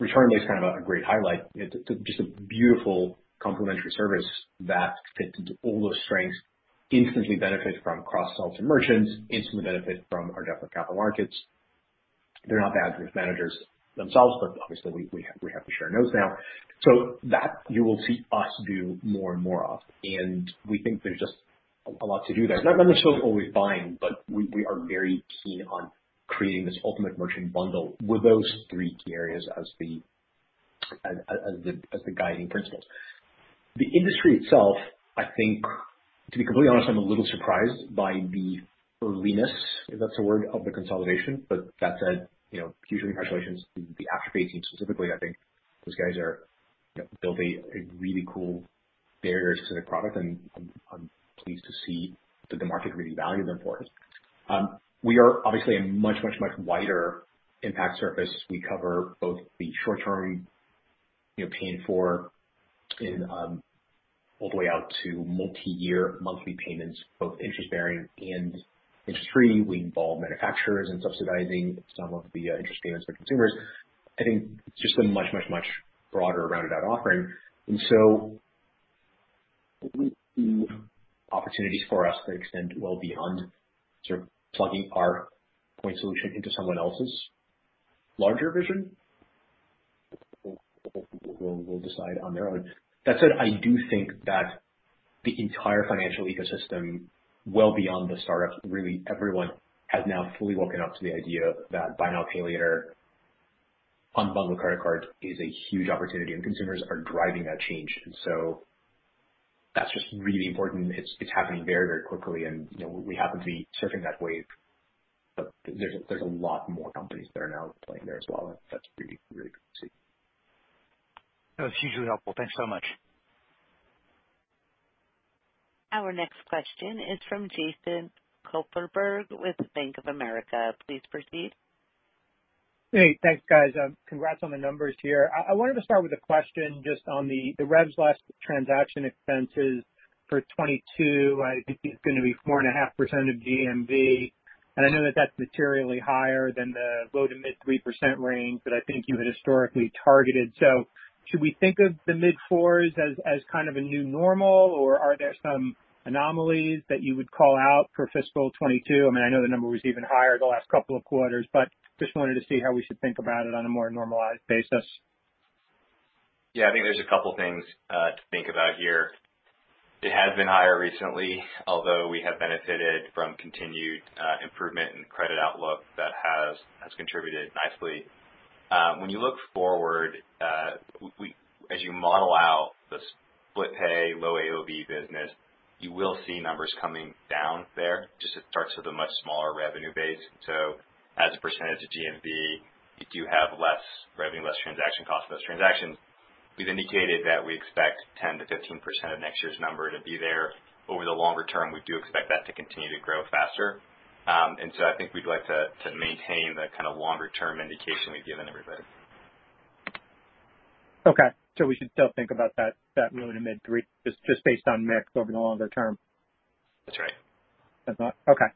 Returnly is kind of a great highlight. It's just a beautiful complementary service that fits into all those strengths, instantly benefits from cross-sells and merchants, instantly benefits from our depth of capital markets. They're not bad risk managers themselves, but obviously we have to share notes now. That you will see us do more and more of, and we think there's just a lot to do there. It's not necessarily always buying, but we are very keen on creating this ultimate merchant bundle with those three key areas as the guiding principles. The industry itself, I think, to be completely honest, I'm a little surprised by the earliness, if that's a word, of the consolidation. That said, huge congratulations to the Afterpay team specifically. I think those guys are building a really cool, very specific product, and I'm pleased to see that the market really valued them for it. We are obviously a much, much, much wider impact surface. We cover both the short-term paying for all the way out to multi-year monthly payments, both interest-bearing and interest-free. We involve manufacturers in subsidizing some of the interest payments for consumers. I think it's just a much, much, much broader, rounded out offering. We see opportunities for us that extend well beyond sort of plugging our point solution into someone else's larger vision. People will decide on their own. That said, I do think that the entire financial ecosystem, well beyond the startups, really everyone has now fully woken up to the idea that buy now, pay later, unbundle credit cards, is a huge opportunity. Consumers are driving that change. That's just really important. It's happening very, very quickly and we happen to be surfing that wave, but there's a lot more companies that are now playing there as well. That's really, really good to see. That was hugely helpful. Thanks so much. Our next question is from Jason Kupferberg with Bank of America. Please proceed. Hey, thanks, guys. Congrats on the numbers here. I wanted to start with a question just on the revenue less transaction costs for 2022. I think it's going to be 4.5% of GMV, and I know that that's materially higher than the low to mid 3% range that I think you had historically targeted. Should we think of the mid 4s as kind of a new normal, or are there some anomalies that you would call out for fiscal 2022? I know the number was even higher the last couple of quarters, but just wanted to see how we should think about it on a more normalized basis. Yeah, I think there's a couple things to think about here. It has been higher recently, although we have benefited from continued improvement in credit outlook that has contributed nicely. When you look forward, as you model out the Split Pay low AOV business, you will see numbers coming down there, just it starts with a much smaller revenue base. As a percentage of GMV, you do have less revenue, less transaction cost, less transactions. We've indicated that we expect 10%-15% of next year's number to be there. Over the longer term, we do expect that to continue to grow faster. I think we'd like to maintain the kind of longer-term indication we've given everybody. We should still think about that low to mid 3% just based on mix over the longer term. That's right. Okay.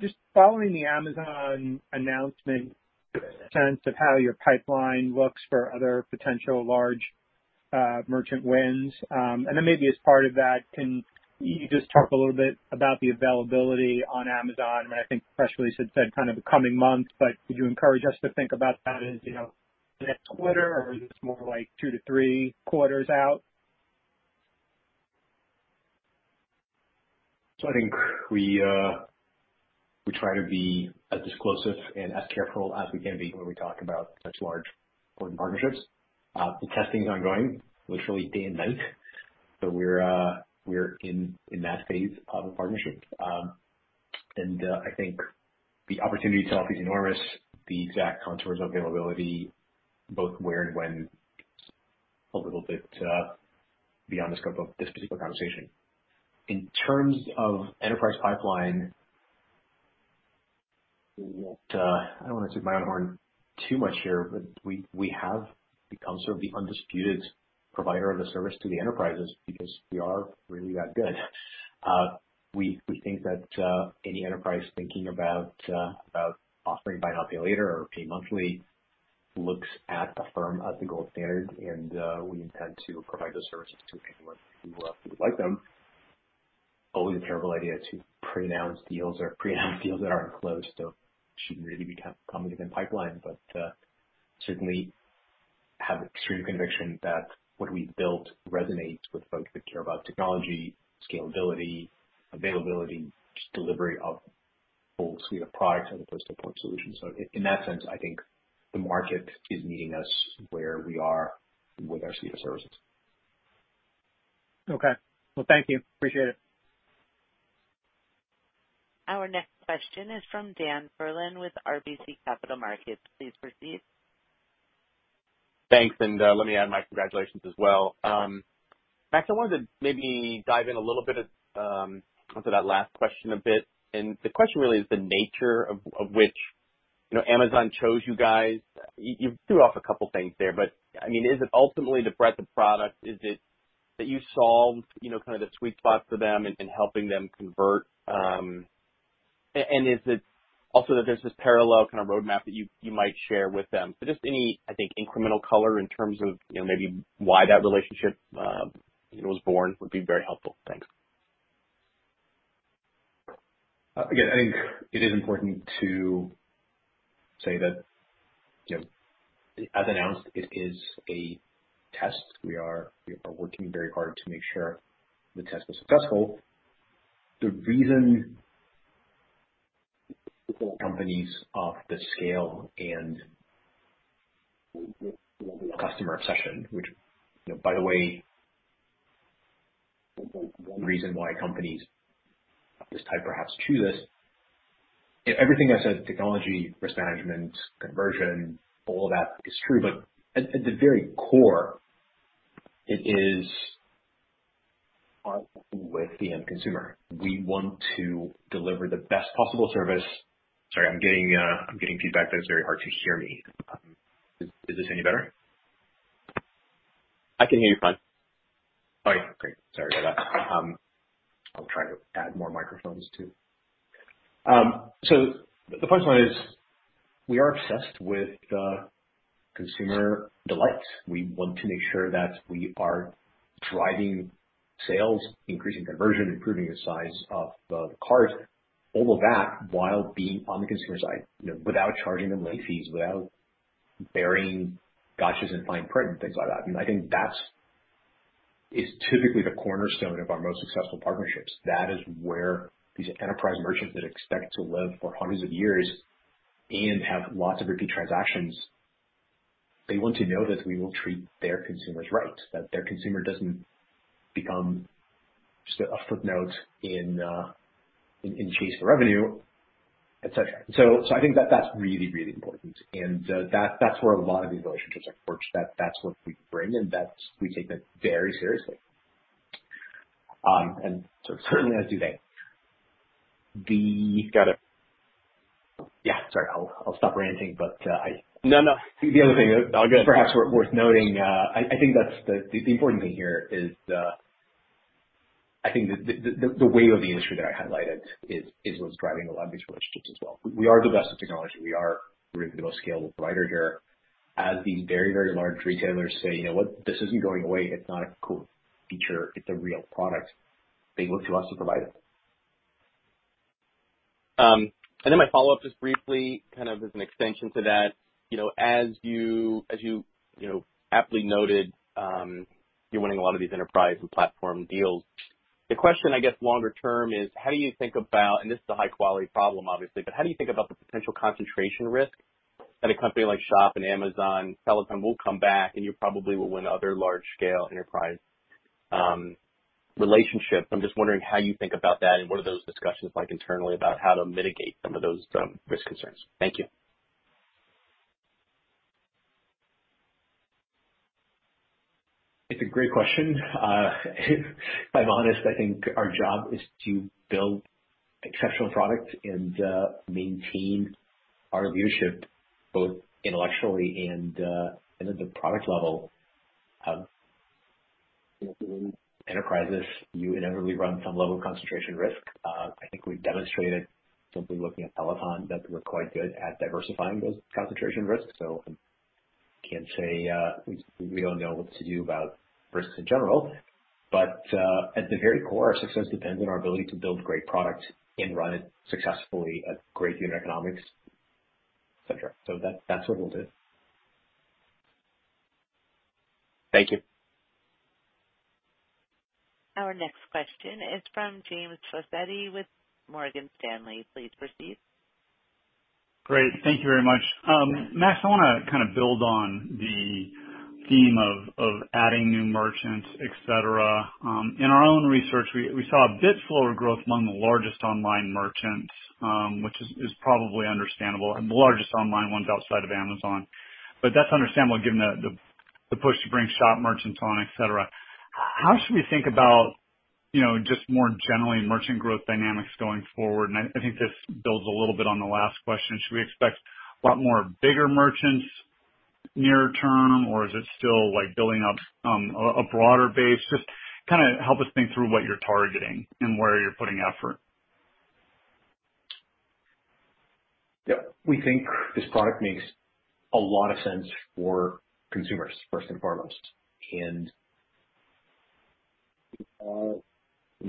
Just following the Amazon announcement, a sense of how your pipeline looks for other potential large merchant wins. Maybe as part of that, can you just talk a little bit about the availability on Amazon? I think the press release had said kind of the coming months, could you encourage us to think about that as next quarter, or is this more like two to three quarters out? I think we try to be as disclosive and as careful as we can be when we talk about such large important partnerships. The testing's ongoing, literally day and night. We're in that phase of the partnership. I think the opportunity set is enormous. The exact contours of availability, both where and when, is a little bit beyond the scope of this particular conversation. In terms of enterprise pipeline, I don't want to toot my own horn too much here, but we have become sort of the undisputed provider of the service to the enterprises because we are really that good. We think that any enterprise thinking about offering buy now, pay later or pay monthly looks at Affirm as the gold standard, and we intend to provide those services to anyone who would like them. Always a terrible idea to pronounce deals or pre-announce deals that aren't closed, so shouldn't really be coming in pipeline. Certainly have extreme conviction that what we've built resonates with folks that care about technology, scalability, availability, just delivery of a full suite of products as opposed to a point solution. In that sense, I think the market is meeting us where we are with our suite of services. Okay. Well, thank you. Appreciate it. Our next question is from Dan Perlin with RBC Capital Markets. Please proceed. Thanks. Let me add my congratulations as well. Max, I wanted to maybe dive in a little bit onto that last question a bit. The question really is the nature of which Amazon chose you guys. You threw off a couple things there, but is it ultimately the breadth of product? Is it that you solved the sweet spot for them in helping them convert? Is it also that there's this parallel kind of roadmap that you might share with them? Just any, I think, incremental color in terms of maybe why that relationship was born would be very helpful. Thanks. Again, I think it is important to say that, as announced, it is a test. We are working very hard to make sure the test was successful. The reason companies of this scale and customer obsession, which, by the way, one reason why companies of this type perhaps choose us. Everything I said, technology, risk management, conversion, all of that is true. At the very core, it is with the end consumer. We want to deliver the best possible service. Sorry, I'm getting feedback that it's very hard to hear me. Is this any better? I can hear you fine. All right, great. Sorry about that. I'll try to add more microphones, too. The first one is, we are obsessed with consumer delight. We want to make sure that we are driving sales, increasing conversion, improving the size of the cart, all of that while being on the consumer side, without charging them late fees, without burying gotchas in fine print and things like that. I think that is typically the cornerstone of our most successful partnerships. That is where these enterprise merchants that expect to live for hundreds of years and have lots of repeat transactions, they want to know that we will treat their consumers right, that their consumer doesn't become just a footnote in chase for revenue, et cetera. I think that's really important. That's where a lot of these relationships have worked, that's what we bring and we take that very seriously. Certainly as do they. Got it. Yeah. Sorry. I'll stop ranting. No, no. The other thing that- All good. Perhaps worth noting, I think the important thing here is the wave of the industry that I highlighted is what's driving a lot of these relationships as well. We are the best at technology. We are really the most scalable provider here. As these very large retailers say, "You know what. This isn't going away. It's not a cool feature. It's a real product," they look to us to provide it. My follow-up, just briefly, kind of as an extension to that, as you aptly noted, you're winning a lot of these enterprise and platform deals. The question, I guess, longer term is, how do you think about, and this is a high-quality problem, obviously, but how do you think about the potential concentration risk that a company like Shop and Amazon, Peloton will come back and you probably will win other large-scale enterprise relationships? I'm just wondering how you think about that and what are those discussions like internally about how to mitigate some of those risk concerns? Thank you. It's a great question. If I'm honest, I think our job is to build exceptional products and maintain our leadership, both intellectually and at the product level. In enterprises, you inevitably run some level of concentration risk. I think we've demonstrated, simply looking at Peloton, that we're quite good at diversifying those concentration risks. I can't say we don't know what to do about risks in general. At the very core, our success depends on our ability to build great product and run it successfully at great unit economics, et cetera. That's what we'll do. Thank you. Our next question is from James Faucette with Morgan Stanley. Please proceed. Great. Thank you very much. Max, I want to kind of build on the theme of adding new merchants, et cetera. In our own research, we saw a bit slower growth among the largest online merchants, which is probably understandable, the largest online ones outside of Amazon. That's understandable given the push to bring Shop merchants on, et cetera. How should we think about, just more generally, merchant growth dynamics going forward? I think this builds a little bit on the last question. Should we expect a lot more bigger merchants near term, or is it still building up a broader base? Just help us think through what you're targeting and where you're putting effort. Yeah. We think this product makes a lot of sense for consumers, first and foremost.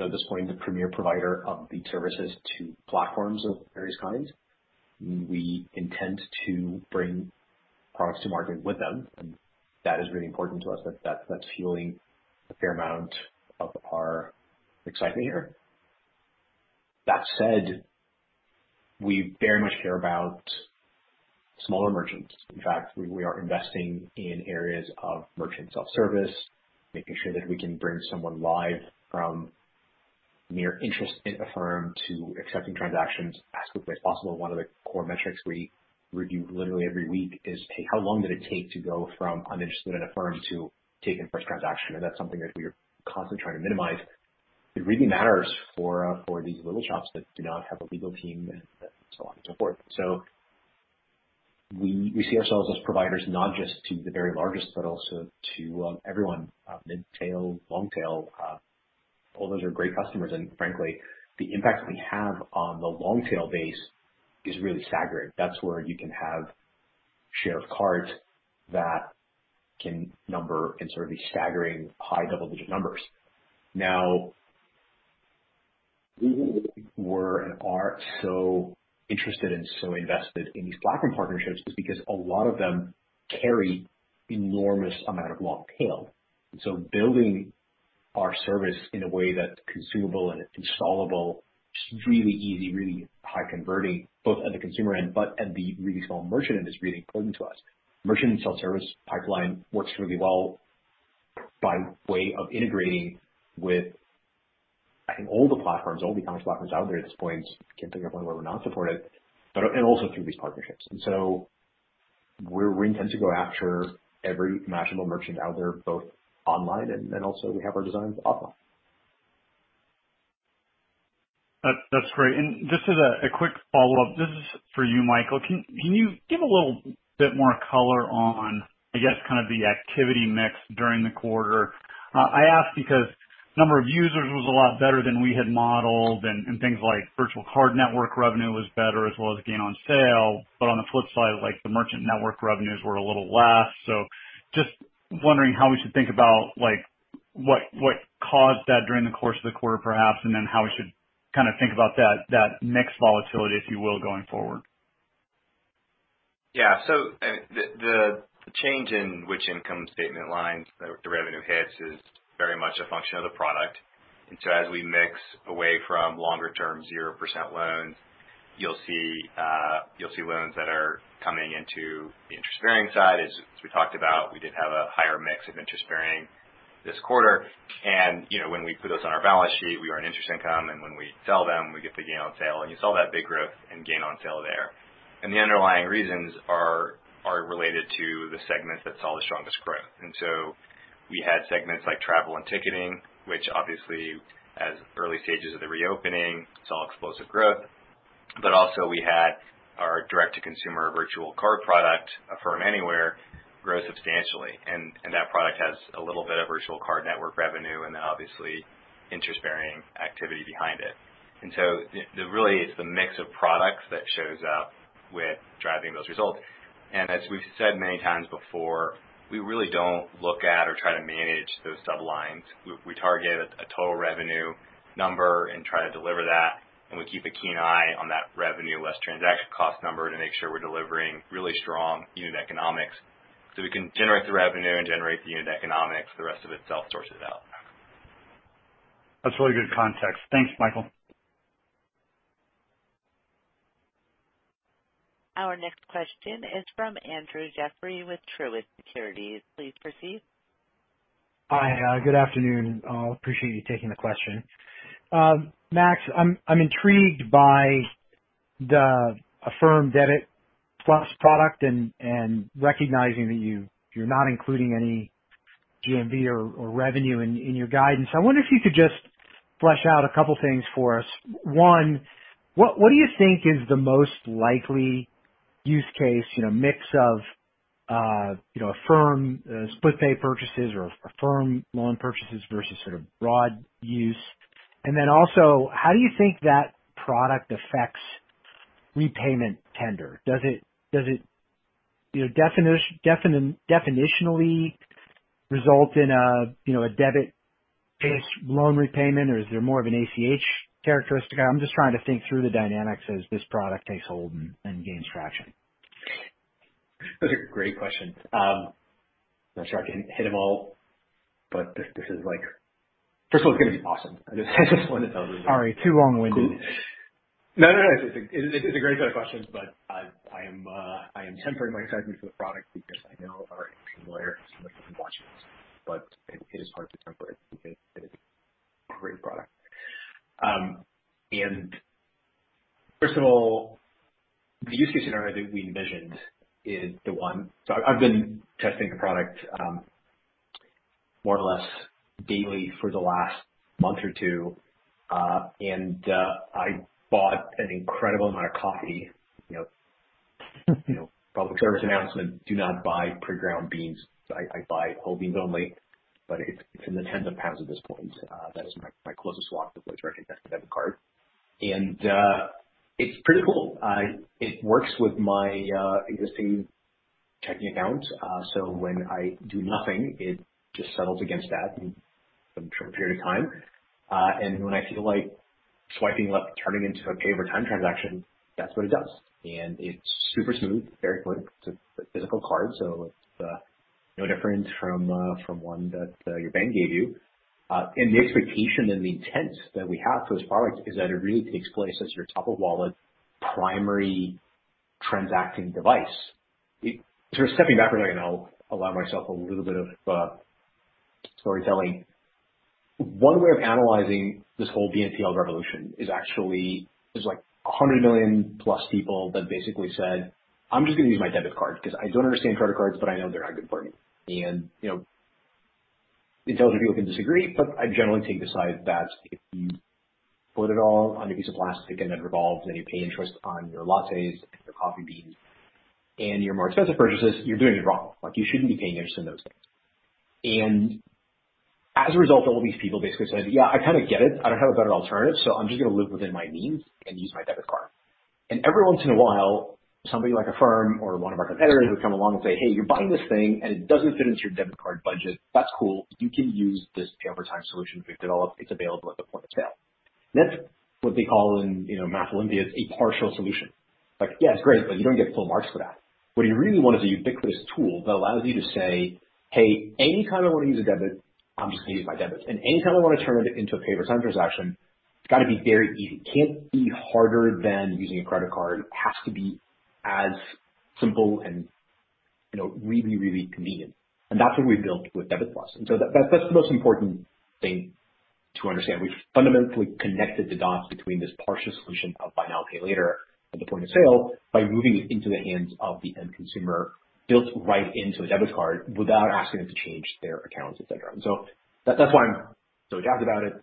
At this point, the premier provider of these services to platforms of various kinds. We intend to bring products to market with them, and that is really important to us. That's fueling a fair amount of our excitement here. That said, we very much care about smaller merchants. In fact, we are investing in areas of merchant self-service, making sure that we can bring someone live from mere interest in Affirm to accepting transactions as quickly as possible. One of the core metrics we review literally every week is how long did it take to go from uninterested in Affirm to taking first transaction. That's something that we are constantly trying to minimize. It really matters for these little shops that do not have a legal team and so on and so forth. We see ourselves as providers, not just to the very largest, but also to everyone, mid-tail, long-tail. All those are great customers, and frankly, the impact we have on the long-tail base is really staggering. That's where you can have shared cards that can number in sort of these staggering high double-digit numbers. The reason we were and are so interested and so invested in these platform partnerships is because a lot of them carry enormous amount of long tail. Building our service in a way that's consumable and installable, it's really easy, really high converting both at the consumer end but at the really small merchant end is really important to us. Merchant and self-service pipeline works really well by way of integrating with, I think, all the platforms, all the e-commerce platforms out there at this point. Can't think of one where we're not supported, and also through these partnerships. We intend to go after every imaginable merchant out there, both online and then also we have our designs offline. That's great. Just as a quick follow-up. This is for you, Michael. Can you give a little bit more color on, I guess, kind of the activity mix during the quarter? I ask because number of users was a lot better than we had modeled and things like virtual card network revenue was better as well as gain on sale. On the flip side, the merchant network revenues were a little less. Just wondering how we should think about what caused that during the course of the quarter, perhaps, and then how we should kind of think about that mix volatility, if you will, going forward. The change in which income statement lines the revenue hits is very much a function of the product. As we mix away from longer-term 0% loans, you'll see loans that are coming into the interest-bearing side. As we talked about, we did have a higher mix of interest-bearing this quarter. When we put those on our balance sheet, we earn interest income, and when we sell them, we get the gain on sale. You saw that big growth in gain on sale there. The underlying reasons are related to the segment that saw the strongest growth. We had segments like travel and ticketing, which obviously as early stages of the reopening, saw explosive growth. Also, we had our direct-to-consumer virtual card product, Affirm Anywhere, grow substantially. That product has a little bit of virtual card network revenue and obviously interest-bearing activity behind it. Really it's the mix of products that shows up with driving those results. As we've said many times before, we really don't look at or try to manage those sub-lines. We target a total revenue number and try to deliver that, and we keep a keen eye on that revenue less transaction cost number to make sure we're delivering really strong unit economics, so we can generate the revenue and generate the unit economics. The rest of it self-sources out. That's really good context. Thanks, Michael. Our next question is from Andrew Jeffrey with Truist Securities. Please proceed. Hi. Good afternoon. I appreciate you taking the question. Max, I'm intrigued by the Affirm Debit+ product and recognizing that you're not including any GMV or revenue in your guidance. I wonder if you could just flesh out a couple things for us. One, what do you think is the most likely use case, mix of Affirm Split Pay purchases or Affirm loan purchases versus sort of broad use? Then also, how do you think that product affects repayment tender? Does it definitionally result in a debit-based loan repayment, or is there more of an ACH characteristic? I'm just trying to think through the dynamics as this product takes hold and gains traction. Those are great questions. I'm not sure I can hit them all, but first of all, it's going to be awesome. I just want to tell you. Sorry, too long-winded. No. It is a great set of questions. I am tempering my excitement for the product because I know our investor lawyer is listening and watching this. It is hard to temper it because it is a great product. First of all, I've been testing the product, more or less daily for the last month or two. I bought an incredible amount of coffee. Public service announcement, do not buy pre-ground beans. I buy whole beans only. It's in the tens of pounds at this point. That is my closest swap to a recognized debit card. It's pretty cool. It works with my existing checking account. When I do nothing, it just settles against that in a short period of time. When I feel like swiping left, turning into a pay over time transaction, that's what it does. It's super smooth, very quick. It's a physical card, so it's no different from one that your bank gave you. The expectation and the intent that we have for this product is that it really takes place as your top of wallet primary transacting device. Sort of stepping back for a second, I'll allow myself a little bit of storytelling. One way of analyzing this whole BNPL revolution is actually, there's 100 million+ people that basically said, "I'm just going to use my debit card because I don't understand credit cards, but I know they're not good for me." Intelligent people can disagree, but I generally take the side that if you put it all on a piece of plastic and it revolves, and you pay interest on your lattes and your coffee beans, and your more expensive purchases, you're doing it wrong. You shouldn't be paying interest in those things. As a result, all these people basically said, "Yeah, I kind of get it. I don't have a better alternative, so I'm just going to live within my means and use my debit card." Every once in a while, somebody like Affirm or one of our competitors would come along and say, "Hey, you're buying this thing and it doesn't fit into your debit card budget. That's cool. You can use this pay over time solution we've developed. It's available at the point of sale." That's what they call in math Olympiads, a partial solution. Like, yeah, it's great, but you don't get full marks for that. What you really want is a ubiquitous tool that allows you to say, "Hey, any time I want to use a debit, I'm just going to use my debit. Any time I want to turn it into a pay over time transaction, it's got to be very easy. It can't be harder than using a credit card. It has to be as simple and really, really convenient. That's what we've built with Debit+. That's the most important thing to understand. We've fundamentally connected the dots between this partial solution of buy now, pay later at the point of sale by moving it into the hands of the end consumer, built right into the debit card without asking them to change their accounts, et cetera. That's why I'm so jazzed about it,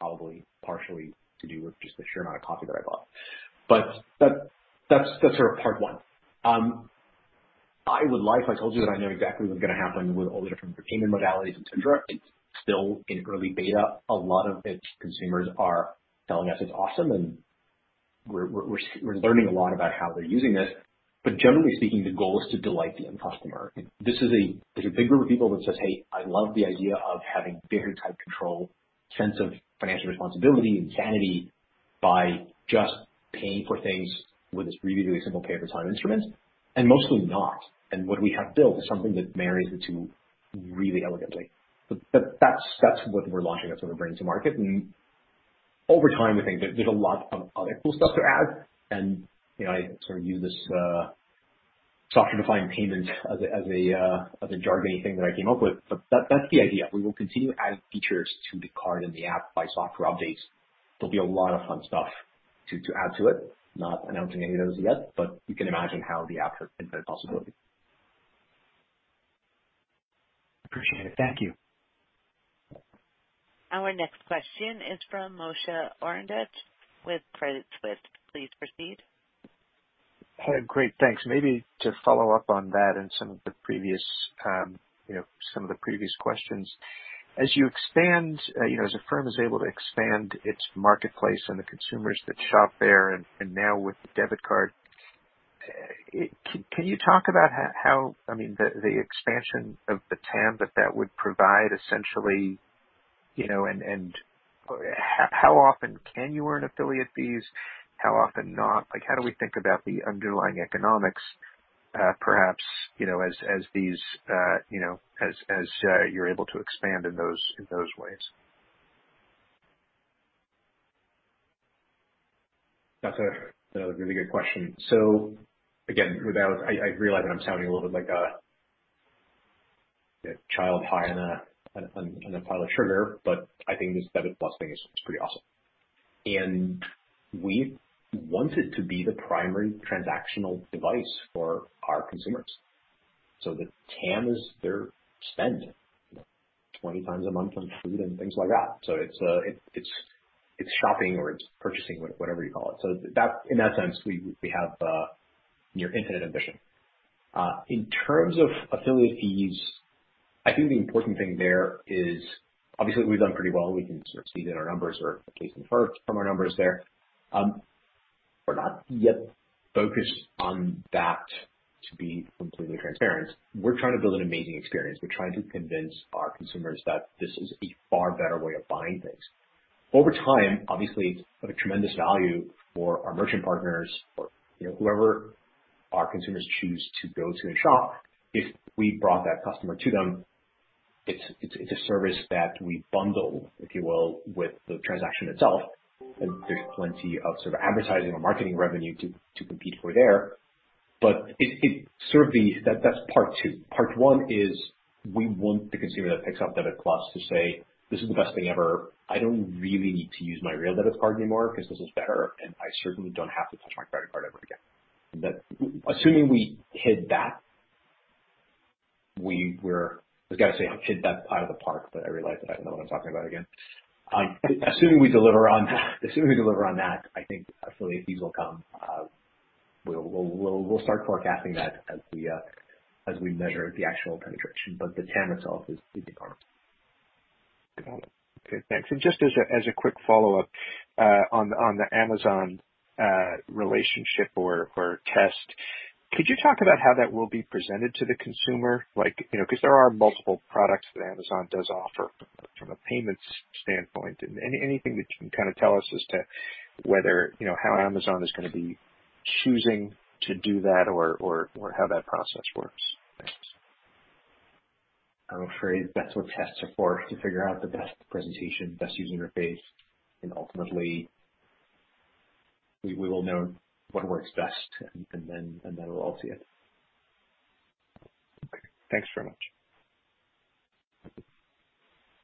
probably partially to do with just the sheer amount of coffee that I bought. That's part one. I would like if I told you that I know exactly what's going to happen with all the different payment modalities, et cetera. It's still in early beta. A lot of its consumers are telling us it's awesome, and we're learning a lot about how they're using this. Generally speaking, the goal is to delight the end customer. There's a big group of people that says, "Hey, I love the idea of having better tight control, sense of financial responsibility, and sanity by just paying for things with this really, really simple pay over time instrument," and most of them not. What we have built is something that marries the two really elegantly. That's what we're launching, that's what we're bringing to market, and over time, we think there's a lot of other cool stuff to add, and I sort of use this software-defined payment as a jargony thing that I came up with. That's the idea. We will continue adding features to the card and the app by software updates. There'll be a lot of fun stuff to add to it. Not announcing any of those yet, but you can imagine how the app is infinite possibility. Appreciate it. Thank you. Our next question is from Moshe Orenbuch with Credit Suisse. Please proceed. Hey, great, thanks. Maybe to follow up on that and some of the previous questions. As you expand, as Affirm is able to expand its marketplace and the consumers that shop there, and now with the debit card, can you talk about the expansion of the TAM that that would provide, essentially, and how often can you earn affiliate fees? How often not? How do we think about the underlying economics, perhaps, as you're able to expand in those ways? That's another really good question. I realize that I'm sounding a little bit like a child high on a pile of sugar, but I think this Debit+ thing is pretty awesome. We want it to be the primary transactional device for our consumers. The TAM is their spend, 20x a month on food and things like that. It's shopping or it's purchasing, whatever you call it. We have near infinite ambition. In terms of affiliate fees, I think the important thing there is, obviously, we've done pretty well. We can sort of see that our numbers or case in Affirm from our numbers there. We're not yet focused on that, to be completely transparent. We're trying to build an amazing experience. We're trying to convince our consumers that this is a far better way of buying things. Over time, obviously, of a tremendous value for our merchant partners or whoever our consumers choose to go to and shop, if we brought that customer to them, it's a service that we bundle, if you will, with the transaction itself, and there's plenty of sort of advertising or marketing revenue to compete for there. That's part 2. Part 1 is we want the consumer that picks up Debit+ to say, "This is the best thing ever. I don't really need to use my real debit card anymore because this is better, and I certainly don't have to touch my credit card ever again." Assuming we hit that, I was going to say hit that out of the park, but I realize that I don't know what I'm talking about again. Assuming we deliver on that, I think affiliate fees will come. We'll start forecasting that as we measure the actual penetration, but the TAM itself is the debit card. Got it. Okay, thanks. Just as a quick follow-up, on the Amazon relationship or test, could you talk about how that will be presented to the consumer? Because there are multiple products that Amazon does offer from a payments standpoint. Anything that you can kind of tell us as to how Amazon is going to be choosing to do that or how that process works? Thanks. I'm afraid that's what tests are for, to figure out the best presentation, best user interface, and ultimately we will know what works best and then we'll all see it. Okay, thanks very much.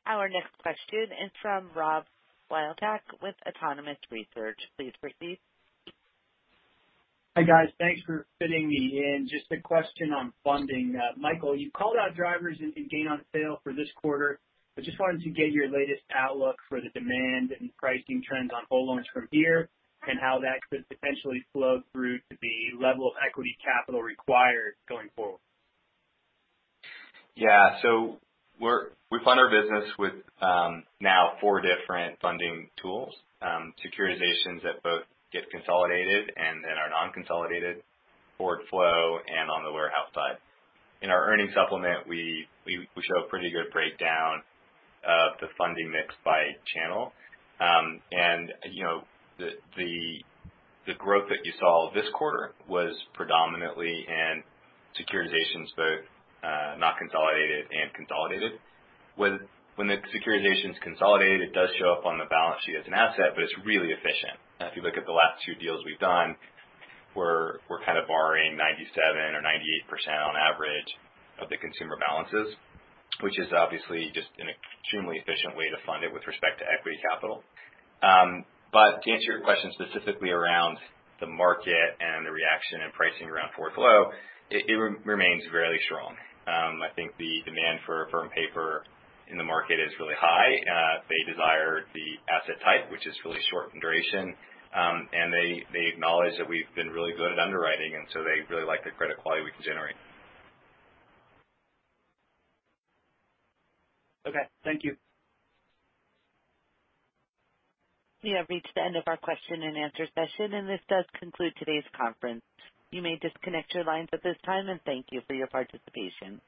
Our next question is from Rob Wildhack with Autonomous Research. Please proceed. Hi, guys. Thanks for fitting me in. Just a question on funding. Michael, you called out drivers in gain on sale for this quarter, just wanted to get your latest outlook for the demand and pricing trends on whole loans from here and how that could potentially flow through to the level of equity capital required going forward. We fund our business with now four different funding tools, securitizations that both get consolidated and then our non-consolidated forward flow and on the warehouse side. In our earnings supplement, we show a pretty good breakdown of the funding mix by channel. The growth that you saw this quarter was predominantly in securitizations, both not consolidated and consolidated. When the securitization's consolidated, it does show up on the balance sheet as an asset, it's really efficient. If you look at the last 2 deals we've done, we're borrowing 97% or 98% on average of the consumer balances, which is obviously just an extremely efficient way to fund it with respect to equity capital. To answer your question specifically around the market and the reaction and pricing around forward flow, it remains fairly strong. I think the demand for Affirm paper in the market is really high. They desire the asset type, which is really short in duration. They acknowledge that we've been really good at underwriting, and so they really like the credit quality we can generate. Okay. Thank you. We have reached the end of our question-and-answer session. This does conclude today's conference. You may disconnect your lines at this time. Thank you for your participation.